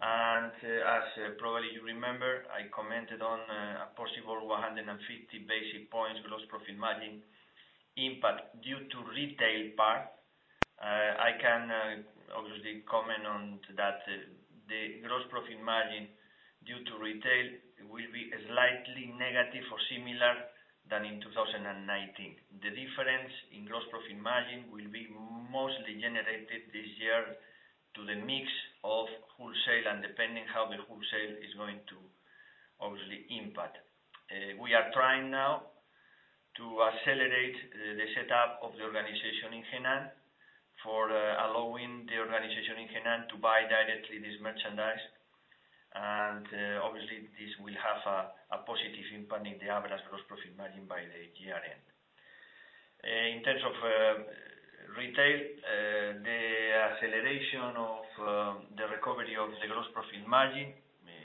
As probably you remember, I commented on a possible 150 basic points gross profit margin impact due to retail part. I can obviously comment on that. The gross profit margin due to retail will be slightly negative or similar than in 2019. The difference in gross profit margin will be mostly generated this year to the mix of wholesale and depending how the wholesale is going to obviously impact. We are trying now to accelerate the setup of the organization in Hainan for allowing the organization in Hainan to buy directly this merchandise. Obviously this will have a positive impact in the average gross profit margin by the year end. In terms of retail, the acceleration of the recovery of the gross profit margin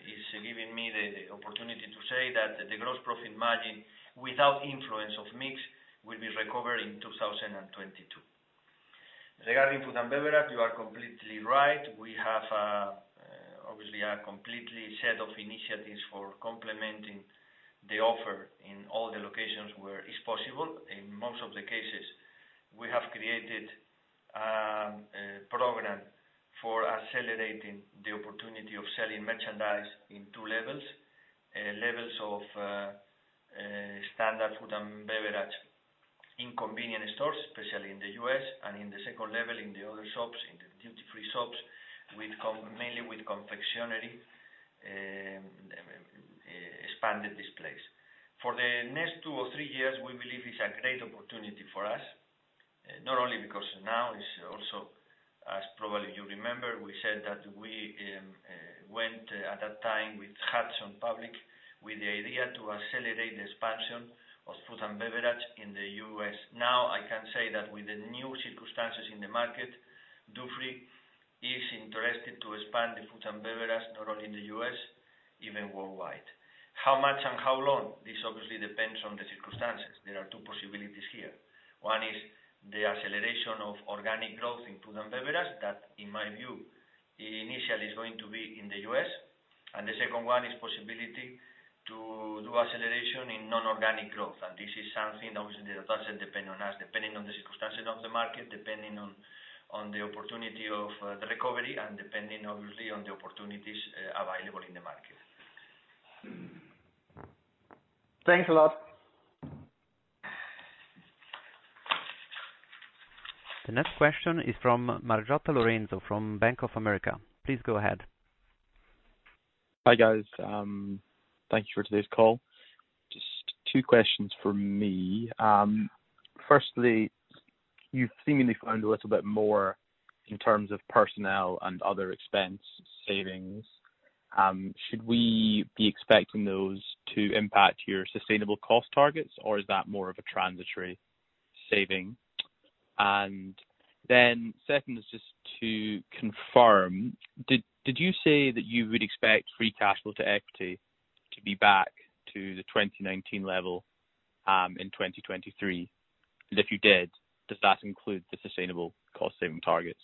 is giving me the opportunity to say that the gross profit margin without influence of mix will be recovered in 2022. Regarding food and beverage, you are completely right. We have obviously a complete set of initiatives for complementing the offer in all the locations where is possible. In most of the cases, we have created a program for accelerating the opportunity of selling merchandise in two levels. Levels of standard food and beverage in convenient stores, especially in the U.S., and in the second level, in the other shops, in the duty-free shops, mainly with confectionery expanded displays. For the next 2 or 3 years, we believe it's a great opportunity for us, not only because now it's also, as probably you remember, we said that we went at that time with Hudson public with the idea to accelerate the expansion of food and beverage in the U.S. Now, I can say that with the new circumstances in the market, Dufry is interested to expand the food and beverage, not only in the U.S., even worldwide. How much and how long? This obviously depends on the circumstances. There are two possibilities here. One is the acceleration of organic growth in food and beverage. That, in my view, initially is going to be in the U.S. The second one is possibility to do acceleration in non-organic growth. This is something, obviously, that doesn't depend on us, depending on the circumstances of the market, depending on the opportunity of the recovery, and depending, obviously, on the opportunities available in the market. Thanks a lot. The next question is from Mariotta Lorenzo from Bank of America. Please go ahead. Hi, guys. Thank you for today's call. Just two questions from me. Firstly, you seemingly found a little bit more in terms of personnel and other expense savings. Should we be expecting those to impact your sustainable cost targets, or is that more of a transitory saving? Second is just to confirm, did you say that you would expect free cash flow to equity to be back to the 2019 level, in 2023? If you did, does that include the sustainable cost-saving targets?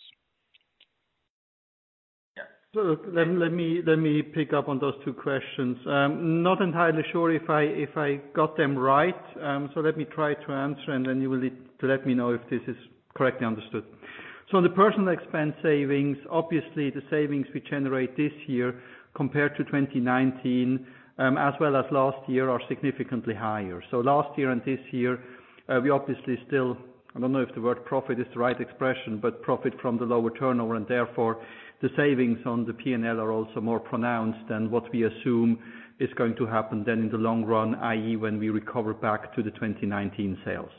Look, let me pick up on those two questions. Not entirely sure if I got them right, so let me try to answer, and then you will need to let me know if this is correctly understood. On the personal expense savings, obviously the savings we generate this year compared to 2019, as well as last year, are significantly higher. Last year and this year, we obviously still, I don't know if the word profit is the right expression, but profit from the lower turnover, and therefore, the savings on the P&L are also more pronounced than what we assume is going to happen then in the long run, i.e., when we recover back to the 2019 sales.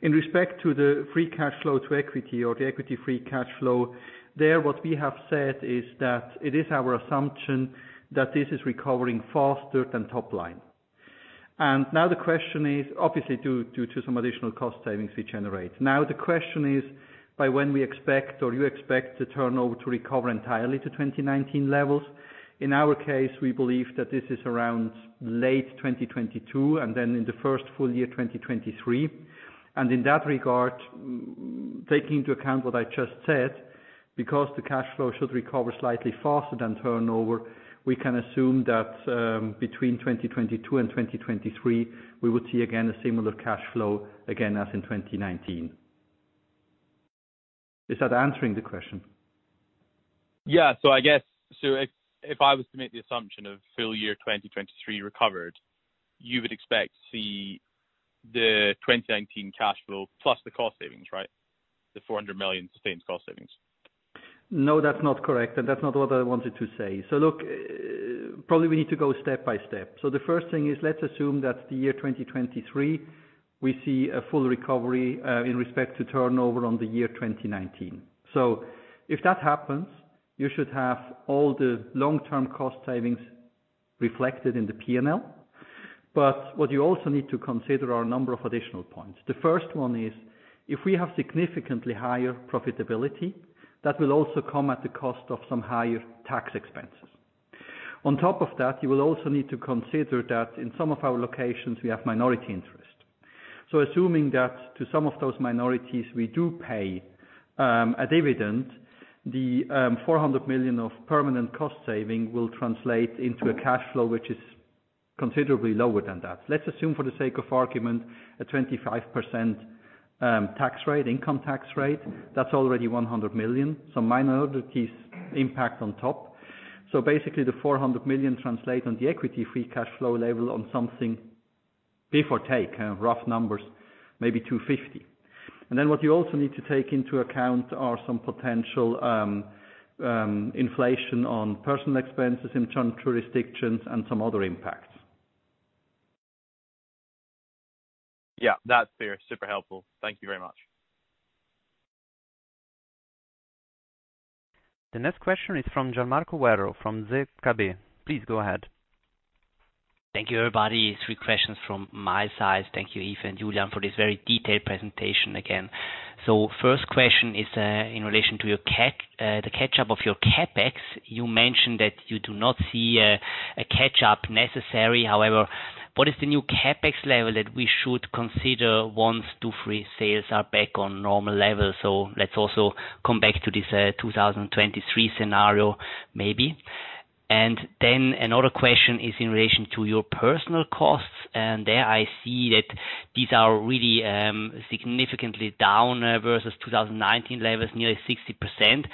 In respect to the free cash flow to equity or the equity free cash flow, there what we have said is that it is our assumption that this is recovering faster than top line. Now the question is, obviously due to some additional cost savings we generate. Now the question is by when we expect or you expect the turnover to recover entirely to 2019 levels. In our case, we believe that this is around late 2022, and then in the first full year, 2023. In that regard, taking into account what I just said, because the cash flow should recover slightly faster than turnover, we can assume that between 2022 and 2023, we will see again a similar cash flow as in 2019. Is that answering the question? Yeah. I guess, if I was to make the assumption of full year 2023 recovered, you would expect to see the 2019 cash flow plus the cost savings, right? The 400 million sustained cost savings. No, that's not correct, and that's not what I wanted to say. Look, probably we need to go step by step. The first thing is, let's assume that the year 2023 we see a full recovery in respect to turnover on the year 2019. If that happens, you should have all the long-term cost savings reflected in the P&L. What you also need to consider are a number of additional points. The first one is, if we have significantly higher profitability, that will also come at the cost of some higher tax expenses. On top of that, you will also need to consider that in some of our locations, we have minority interest. Assuming that to some of those minorities, we do pay a dividend, the 400 million of permanent cost saving will translate into a cash flow, which is considerably lower than that. Let's assume for the sake of argument, a 25% tax rate, income tax rate, that's already 100 million. Minorities impact on top. Basically the 400 million translate on the equity free cash flow level on something before take, rough numbers, maybe 250 million. What you also need to take into account are some potential, inflation on personal expenses in term jurisdictions and some other impacts. Yeah, that's fair. Super helpful. Thank you very much. The next question is from Gian Marco Werro from ZKB. Please go ahead. Thank you, everybody. 3 questions from my side. Thank you, Yves and Julián, for this very detailed presentation again. First question is, in relation to the catch-up of your CapEx. You mentioned that you do not see a catch-up necessary. However, what is the new CapEx level that we should consider once Dufry sales are back on normal levels? Let's also come back to this, 2023 scenario, maybe. Another question is in relation to your personal costs. There, I see that these are really, significantly down versus 2019 levels, nearly 60%.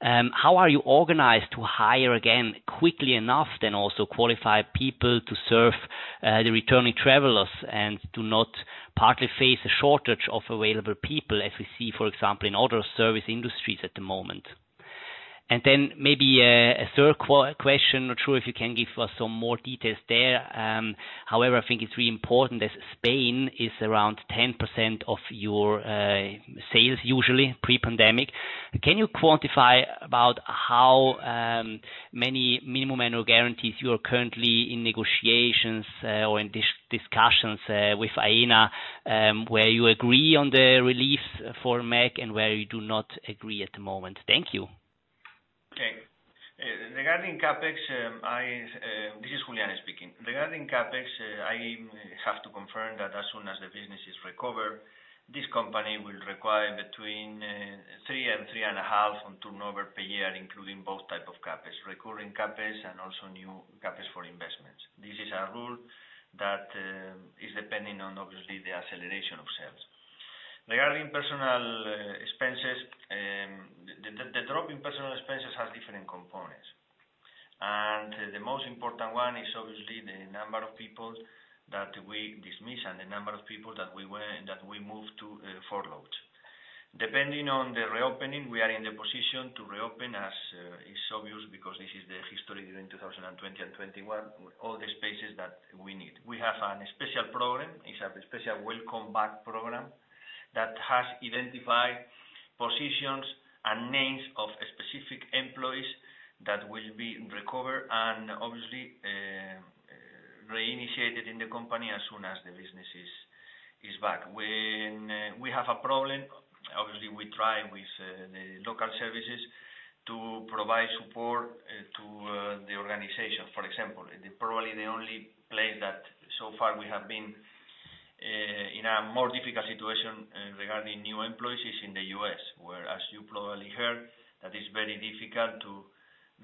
How are you organized to hire again quickly enough, then also qualify people to serve the returning travelers and to not partly face a shortage of available people as we see, for example, in other service industries at the moment? Maybe a third question, not sure if you can give us some more details there. I think it's really important as Spain is around 10% of your sales usually pre-pandemic. Can you quantify about how many minimum annual guarantees you are currently in negotiations or in discussions with Aena, where you agree on the relief for MAG and where you do not agree at the moment? Thank you. Okay. This is Julián speaking. Regarding CapEx, I have to confirm that as soon as the business is recovered, this company will require between 3 and 3.5 on turnover per year, including both type of CapEx, recurring CapEx and also new CapEx for investments. This is a rule that, is depending on obviously the acceleration of sales. Regarding personal expenses, the most important one is obviously the number of people that we dismiss and the number of people that we move to furloughs. Depending on the reopening, we are in the position to reopen as, is obvious because this is the history during 2020 and 2021, all the spaces that we need. We have a special program. It's a special welcome back program that has identified positions and names of specific employees that will be recovered and obviously, reinitiated in the company as soon as the business is back. When we have a problem, obviously, we try with the local services to provide support to the organization. For example, probably the only place that so far we have been, in a more difficult situation regarding new employees is in the U.S., where as you probably heard, that it's very difficult to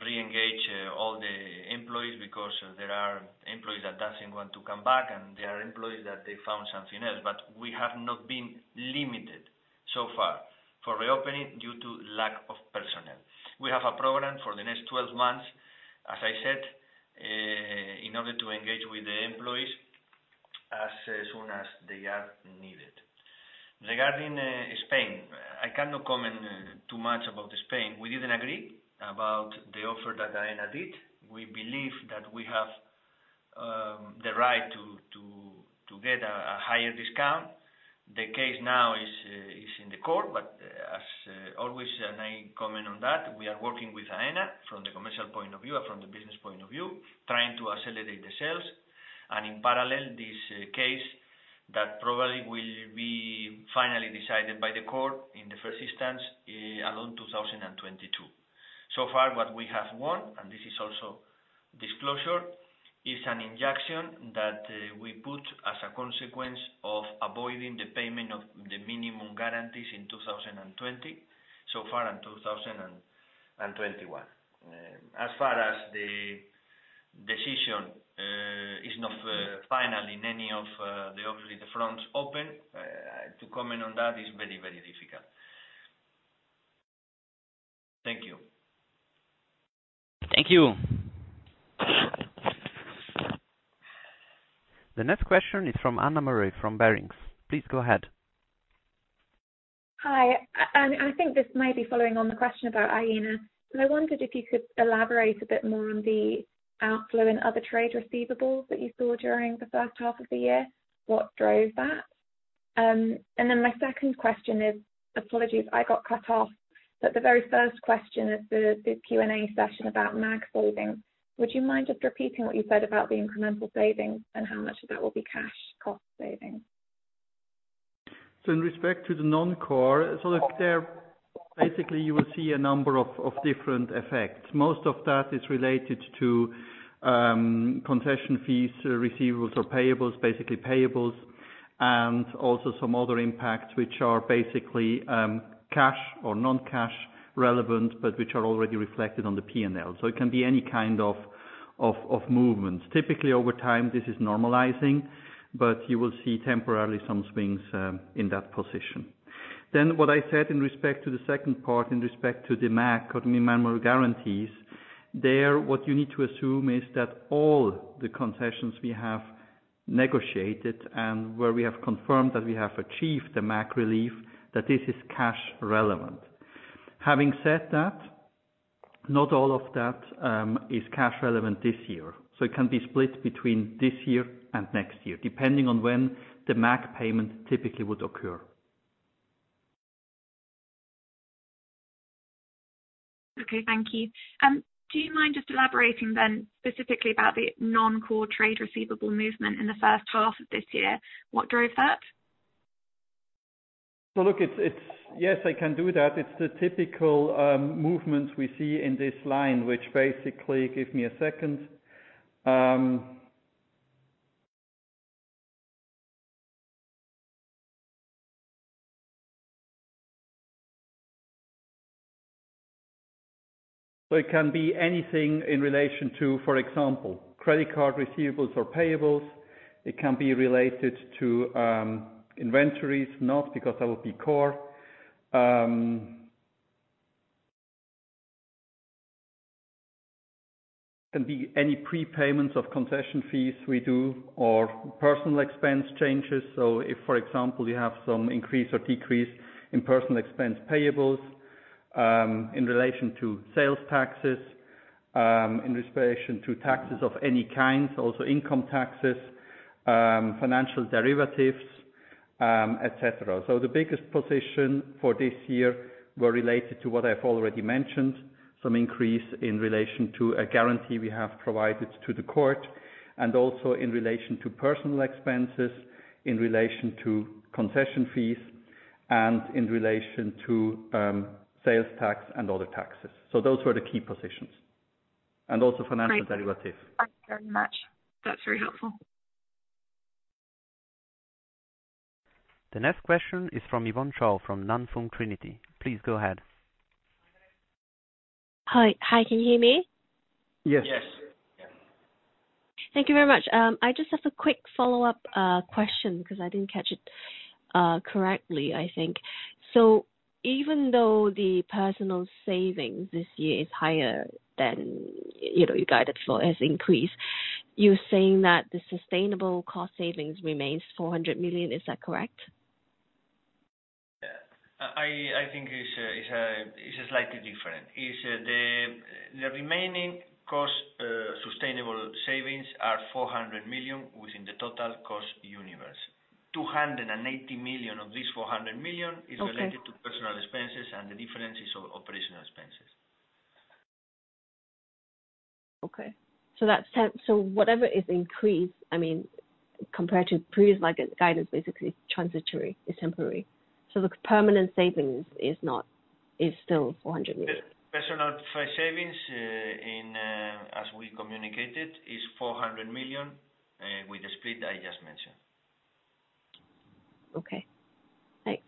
reengage all the employees because there are employees that doesn't want to come back, and there are employees that they found something else. We have not been limited so far for reopening due to lack of personnel. We have a program for the next 12 months, as I said, in order to engage with the employees as soon as they are needed. Regarding Spain, I cannot comment too much about Spain. We didn't agree about the offer that Aena did. We believe that we have the right to get a higher discount. The case now is in the court. As always, and I comment on that, we are working with Aena from the commercial point of view and from the business point of view, trying to accelerate the sales. In parallel, this case that probably will be finally decided by the court in the first instance along 2023. So far what we have won, and this is also disclosure, is an injunction that we put as a consequence of avoiding the payment of the minimum guarantees in 2020 so far in 2021. As far as the decision is not final in any of the obviously the fronts open, to comment on that is very difficult. Thank you. Thank you. The next question is from Anna Murray from Barings. Please go ahead. Hi. I think this may be following on the question about Aena, I wondered if you could elaborate a bit more on the outflow in other trade receivables that you saw during the first half of the year. What drove that? My second question is, apologies I got cut off, the very first question of the Q&A session about MAG savings. Would you mind just repeating what you said about the incremental savings and how much of that will be cash cost saving? In respect to the non-core, you will see a number of different effects. Most of that is related to concession fees, receivables or payables, basically payables, and also some other impacts, which are cash or non-cash relevant, but which are already reflected on the P&L. It can be any kind of movements. Typically, over time, this is normalizing, but you will see temporarily some swings in that position. What I said in respect to the second part, in respect to the MAC or minimum guarantees, there what you need to assume is that all the concessions we have negotiated and where we have confirmed that we have achieved the MAC relief, that this is cash relevant. Having said that, not all of that is cash relevant this year. It can be split between this year and next year, depending on when the MAC payment typically would occur. Okay, thank you. Do you mind just elaborating then specifically about the non-core trade receivable movement in the first half of this year? What drove that? Look, yes, I can do that. It's the typical movements we see in this line, which basically, give me a second. It can be anything in relation to, for example, credit card receivables or payables. It can be related to inventories, not because that would be core. It can be any prepayments of concession fees we do or personal expense changes. If, for example, you have some increase or decrease in personal expense payables, in relation to sales taxes, in relation to taxes of any kind, also income taxes, financial derivatives, et cetera. The biggest position for this year were related to what I've already mentioned, some increase in relation to a guarantee we have provided to the court, and also in relation to personal expenses, in relation to concession fees, and in relation to sales tax and other taxes. Those were the key positions, and also financial derivatives. Thank you very much. That's very helpful. The next question is from Yvonne Chao, from Nan Fung Trinity. Please go ahead. Hi. Can you hear me? Yes. Yes. Thank you very much. I just have a quick follow-up question because I didn't catch it correctly, I think. Even though the personal savings this year is higher than your guided flow has increased, you're saying that the sustainable cost savings remains 400 million, is that correct? I think it's slightly different. The remaining cost sustainable savings are 400 million within the total cost universe. 280 million of this 400 million. Okay. Is related to personal expenses, and the difference is operational expenses. Okay. Whatever is increased, compared to previous guidance, basically transitory, is temporary. The permanent savings is still 400 million. Personal savings, as we communicated, is 400 million, with the split I just mentioned. Okay. Thanks.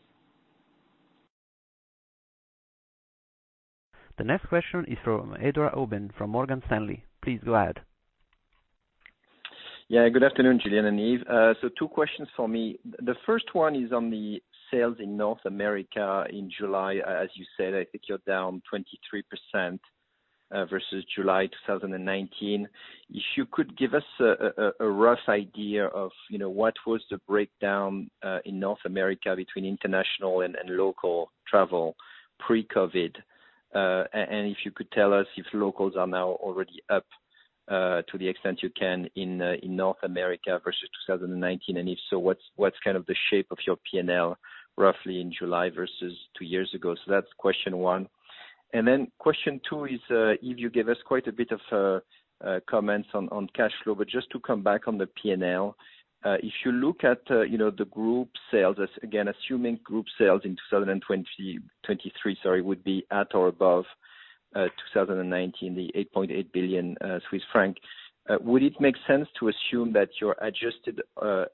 The next question is from Edouard Aubin, from Morgan Stanley. Please go ahead. Good afternoon, Julián and Yves. 2 questions for me. The first one is on the sales in North America in July. As you said, I think you're down 23% versus July 2019. If you could give us a rough idea of what was the breakdown in North America between international and local travel pre-COVID. If you could tell us if locals are now already up to the extent you can in North America versus 2019, and if so, what's the shape of your P&L roughly in July versus 2 years ago? That's question 1. Question 2 is, Yves you gave us quite a bit of comments on cash flow, but just to come back on the P&L. If you look at the group sales, again, assuming group sales in 2023 would be at or above 2019, the 8.8 billion Swiss franc. Would it make sense to assume that your adjusted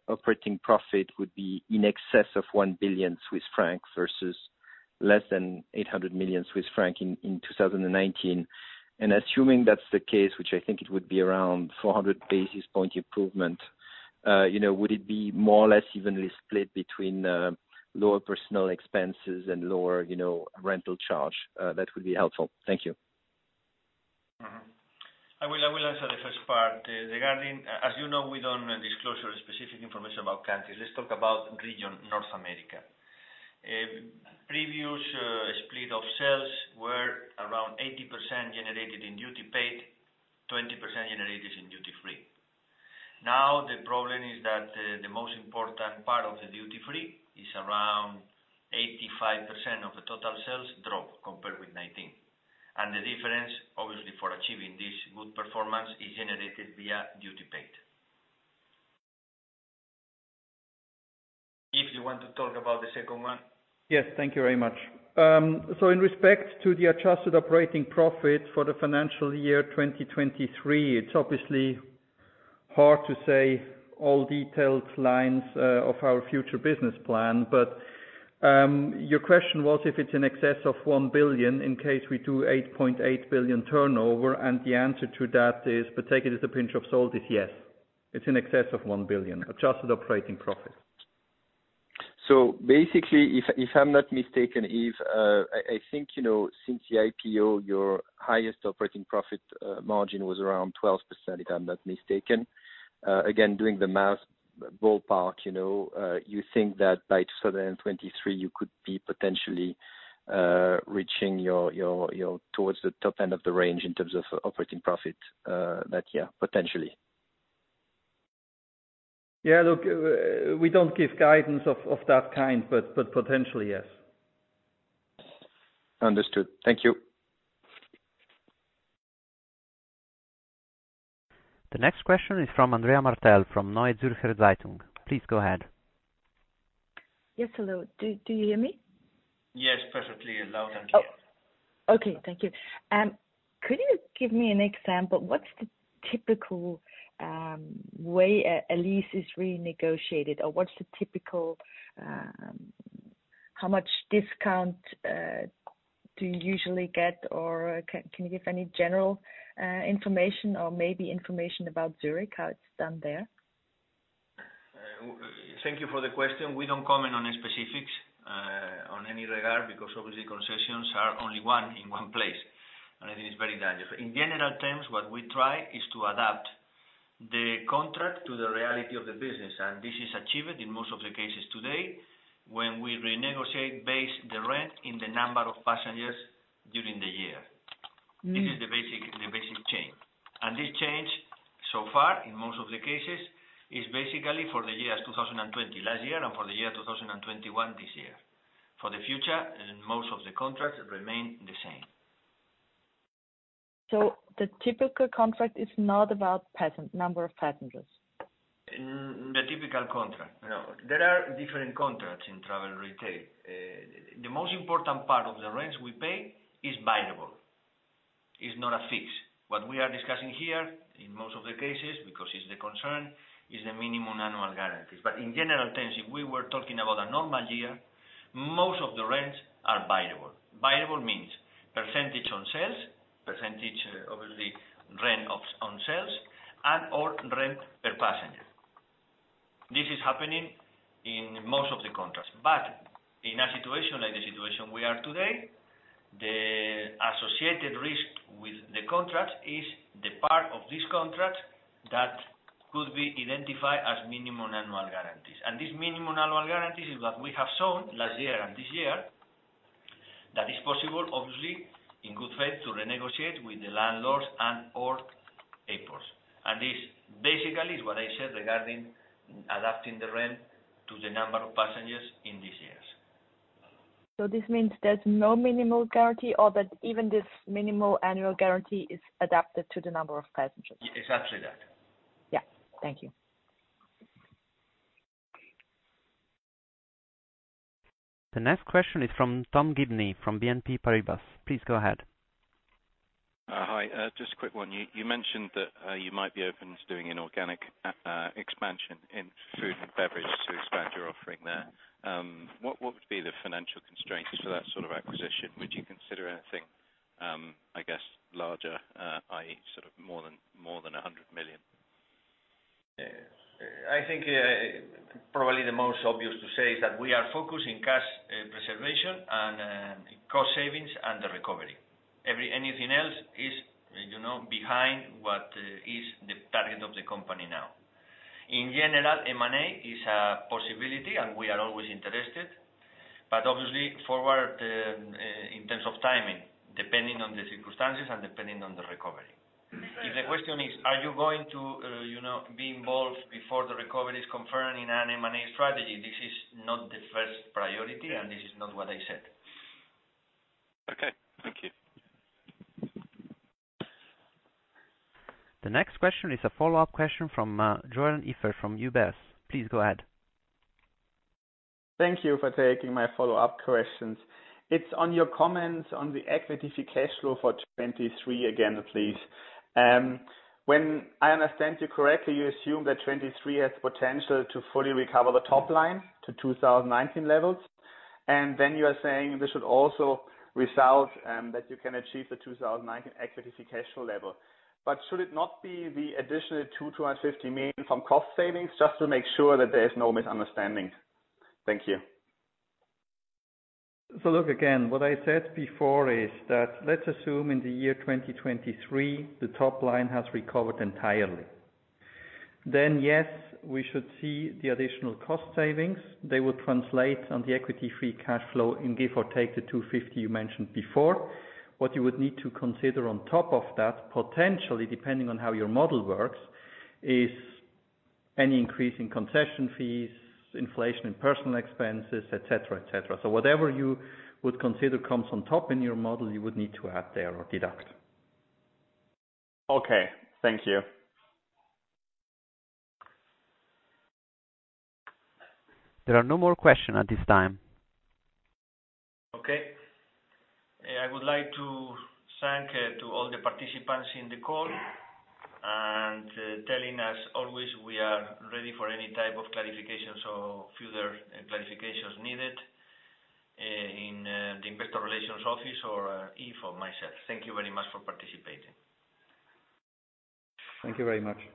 operating profit would be in excess of 1 billion Swiss francs versus less than 800 million Swiss francs in 2019? Assuming that's the case, which I think it would be around 400 basis point improvement, would it be more or less evenly split between lower personal expenses and lower rental charge? That would be helpful. Thank you. I will answer the first part. As you know, we don't disclose specific information about countries. Let's talk about region North America. Previous split of sales were around 80% generated in duty paid, 20% generated in duty free. The problem is that the most important part of the duty free is around 85% of the total sales drop compared with 2019. The difference, obviously, for achieving this good performance is generated via duty paid. Yves Gerster, you want to talk about the second one? Yes, thank you very much. In respect to the adjusted operating profit for the financial year 2023, it's obviously hard to say all detailed lines of our future business plan. But your question was if it's in excess of 1 billion in case we do 8.8 billion turnover, and the answer to that is, but take it as a pinch of salt, is yes. It's in excess of 1 billion adjusted operating profit. Basically, if I'm not mistaken, Yves, I think, since the IPO, your highest operating profit margin was around 12%, if I'm not mistaken. Again, doing the math ballpark, you think that by 2023, you could be potentially reaching towards the top end of the range in terms of operating profit that year, potentially? Yeah. Look, we don't give guidance of that kind, but potentially, yes. Understood. Thank you. The next question is from Andrea Martel from Neue Zürcher Zeitung. Please go ahead. Yes. Hello. Do you hear me? Yes. Perfectly loud and clear. Oh. Okay. Thank you. Could you give me an example, what's the typical way a lease is renegotiated? Or what's the typical How much discount do you usually get? Or can you give any general information or maybe information about Zurich, how it's done there? Thank you for the question. We don't comment on specifics on any regard, because obviously, concessions are only one in one place, and it is very dangerous. In general terms, what we try is to adapt the contract to the reality of the business. This is achieved in most of the cases today, when we renegotiate base the rent in the number of passengers during the year. This is the basic change. This change, so far in most of the cases, is basically for the years 2020, last year, and for the year 2021, this year. For the future, most of the contracts remain the same. The typical contract is not about number of passengers? The typical contract. No. There are different contracts in travel retail. The most important part of the rents we pay is variable, is not a fix. What we are discussing here in most of the cases, because it's the concern, is the Minimum Annual Guarantees. In general terms, if we were talking about a normal year, most of the rents are variable. Variable means percentage on sales, percentage, obviously, rent on sales and/or rent per passenger. This is happening in most of the contracts. [But] in a situation like the situation we are today, the associated risk with the contract is the part of this contract that could be identified as Minimum Annual Guarantees. This Minimum Annual Guarantees is what we have shown last year and this year, that is possible, obviously, in good faith to renegotiate with the landlords and/or airports. This basically is what I said regarding adapting the rent to the number of passengers in these years. This means there's no minimum guarantee or that even this minimum annual guarantee is adapted to the number of passengers? It's actually that. Yeah. Thank you. The next question is from Tom Gibney from BNP Paribas. Please go ahead. Hi. Just a quick one. You mentioned that you might be open to doing an organic expansion in food and beverage to expand your offering there. What would be the financial constraints for that sort of acquisition? Would you consider anything, I guess larger, i.e., sort of more than 100 million? I think probably the most obvious to say is that we are focused in cash preservation and cost savings and the recovery. Anything else is behind what is the target of the company now. In general, M&A is a possibility, and we are always interested, but obviously forward in terms of timing, depending on the circumstances and depending on the recovery. If the question is, are you going to be involved before the recovery is confirmed in an M&A strategy? This is not the first priority, and this is not what I said. Okay. Thank you. The next question is a follow-up question from Joern Iffert from UBS. Please go ahead. Thank you for taking my follow-up questions. It's on your comments on the equity free cash flow for 2023 again, please. When I understand you correctly, you assume that 2023 has potential to fully recover the top line to 2019 levels, and then you are saying this should also result, that you can achieve the 2019 equity free cash flow level. Should it not be the additional 250 million from cost savings, just to make sure that there is no misunderstanding? Thank you. Look, again, what I said before is that let's assume in the year 2023, the top line has recovered entirely. Yes, we should see the additional cost savings. They would translate on the equity free cash flow and give or take the 250 you mentioned before. What you would need to consider on top of that, potentially, depending on how your model works, is any increase in concession fees, inflation in personal expenses, et cetera. Whatever you would consider comes on top in your model, you would need to add there or deduct. Okay. Thank you. There are no more question at this time. Okay. I would like to thank to all the participants in the call and telling us always we are ready for any type of clarifications or further clarifications needed in the investor relations office or Yves or myself. Thank you very much for participating. Thank you very much.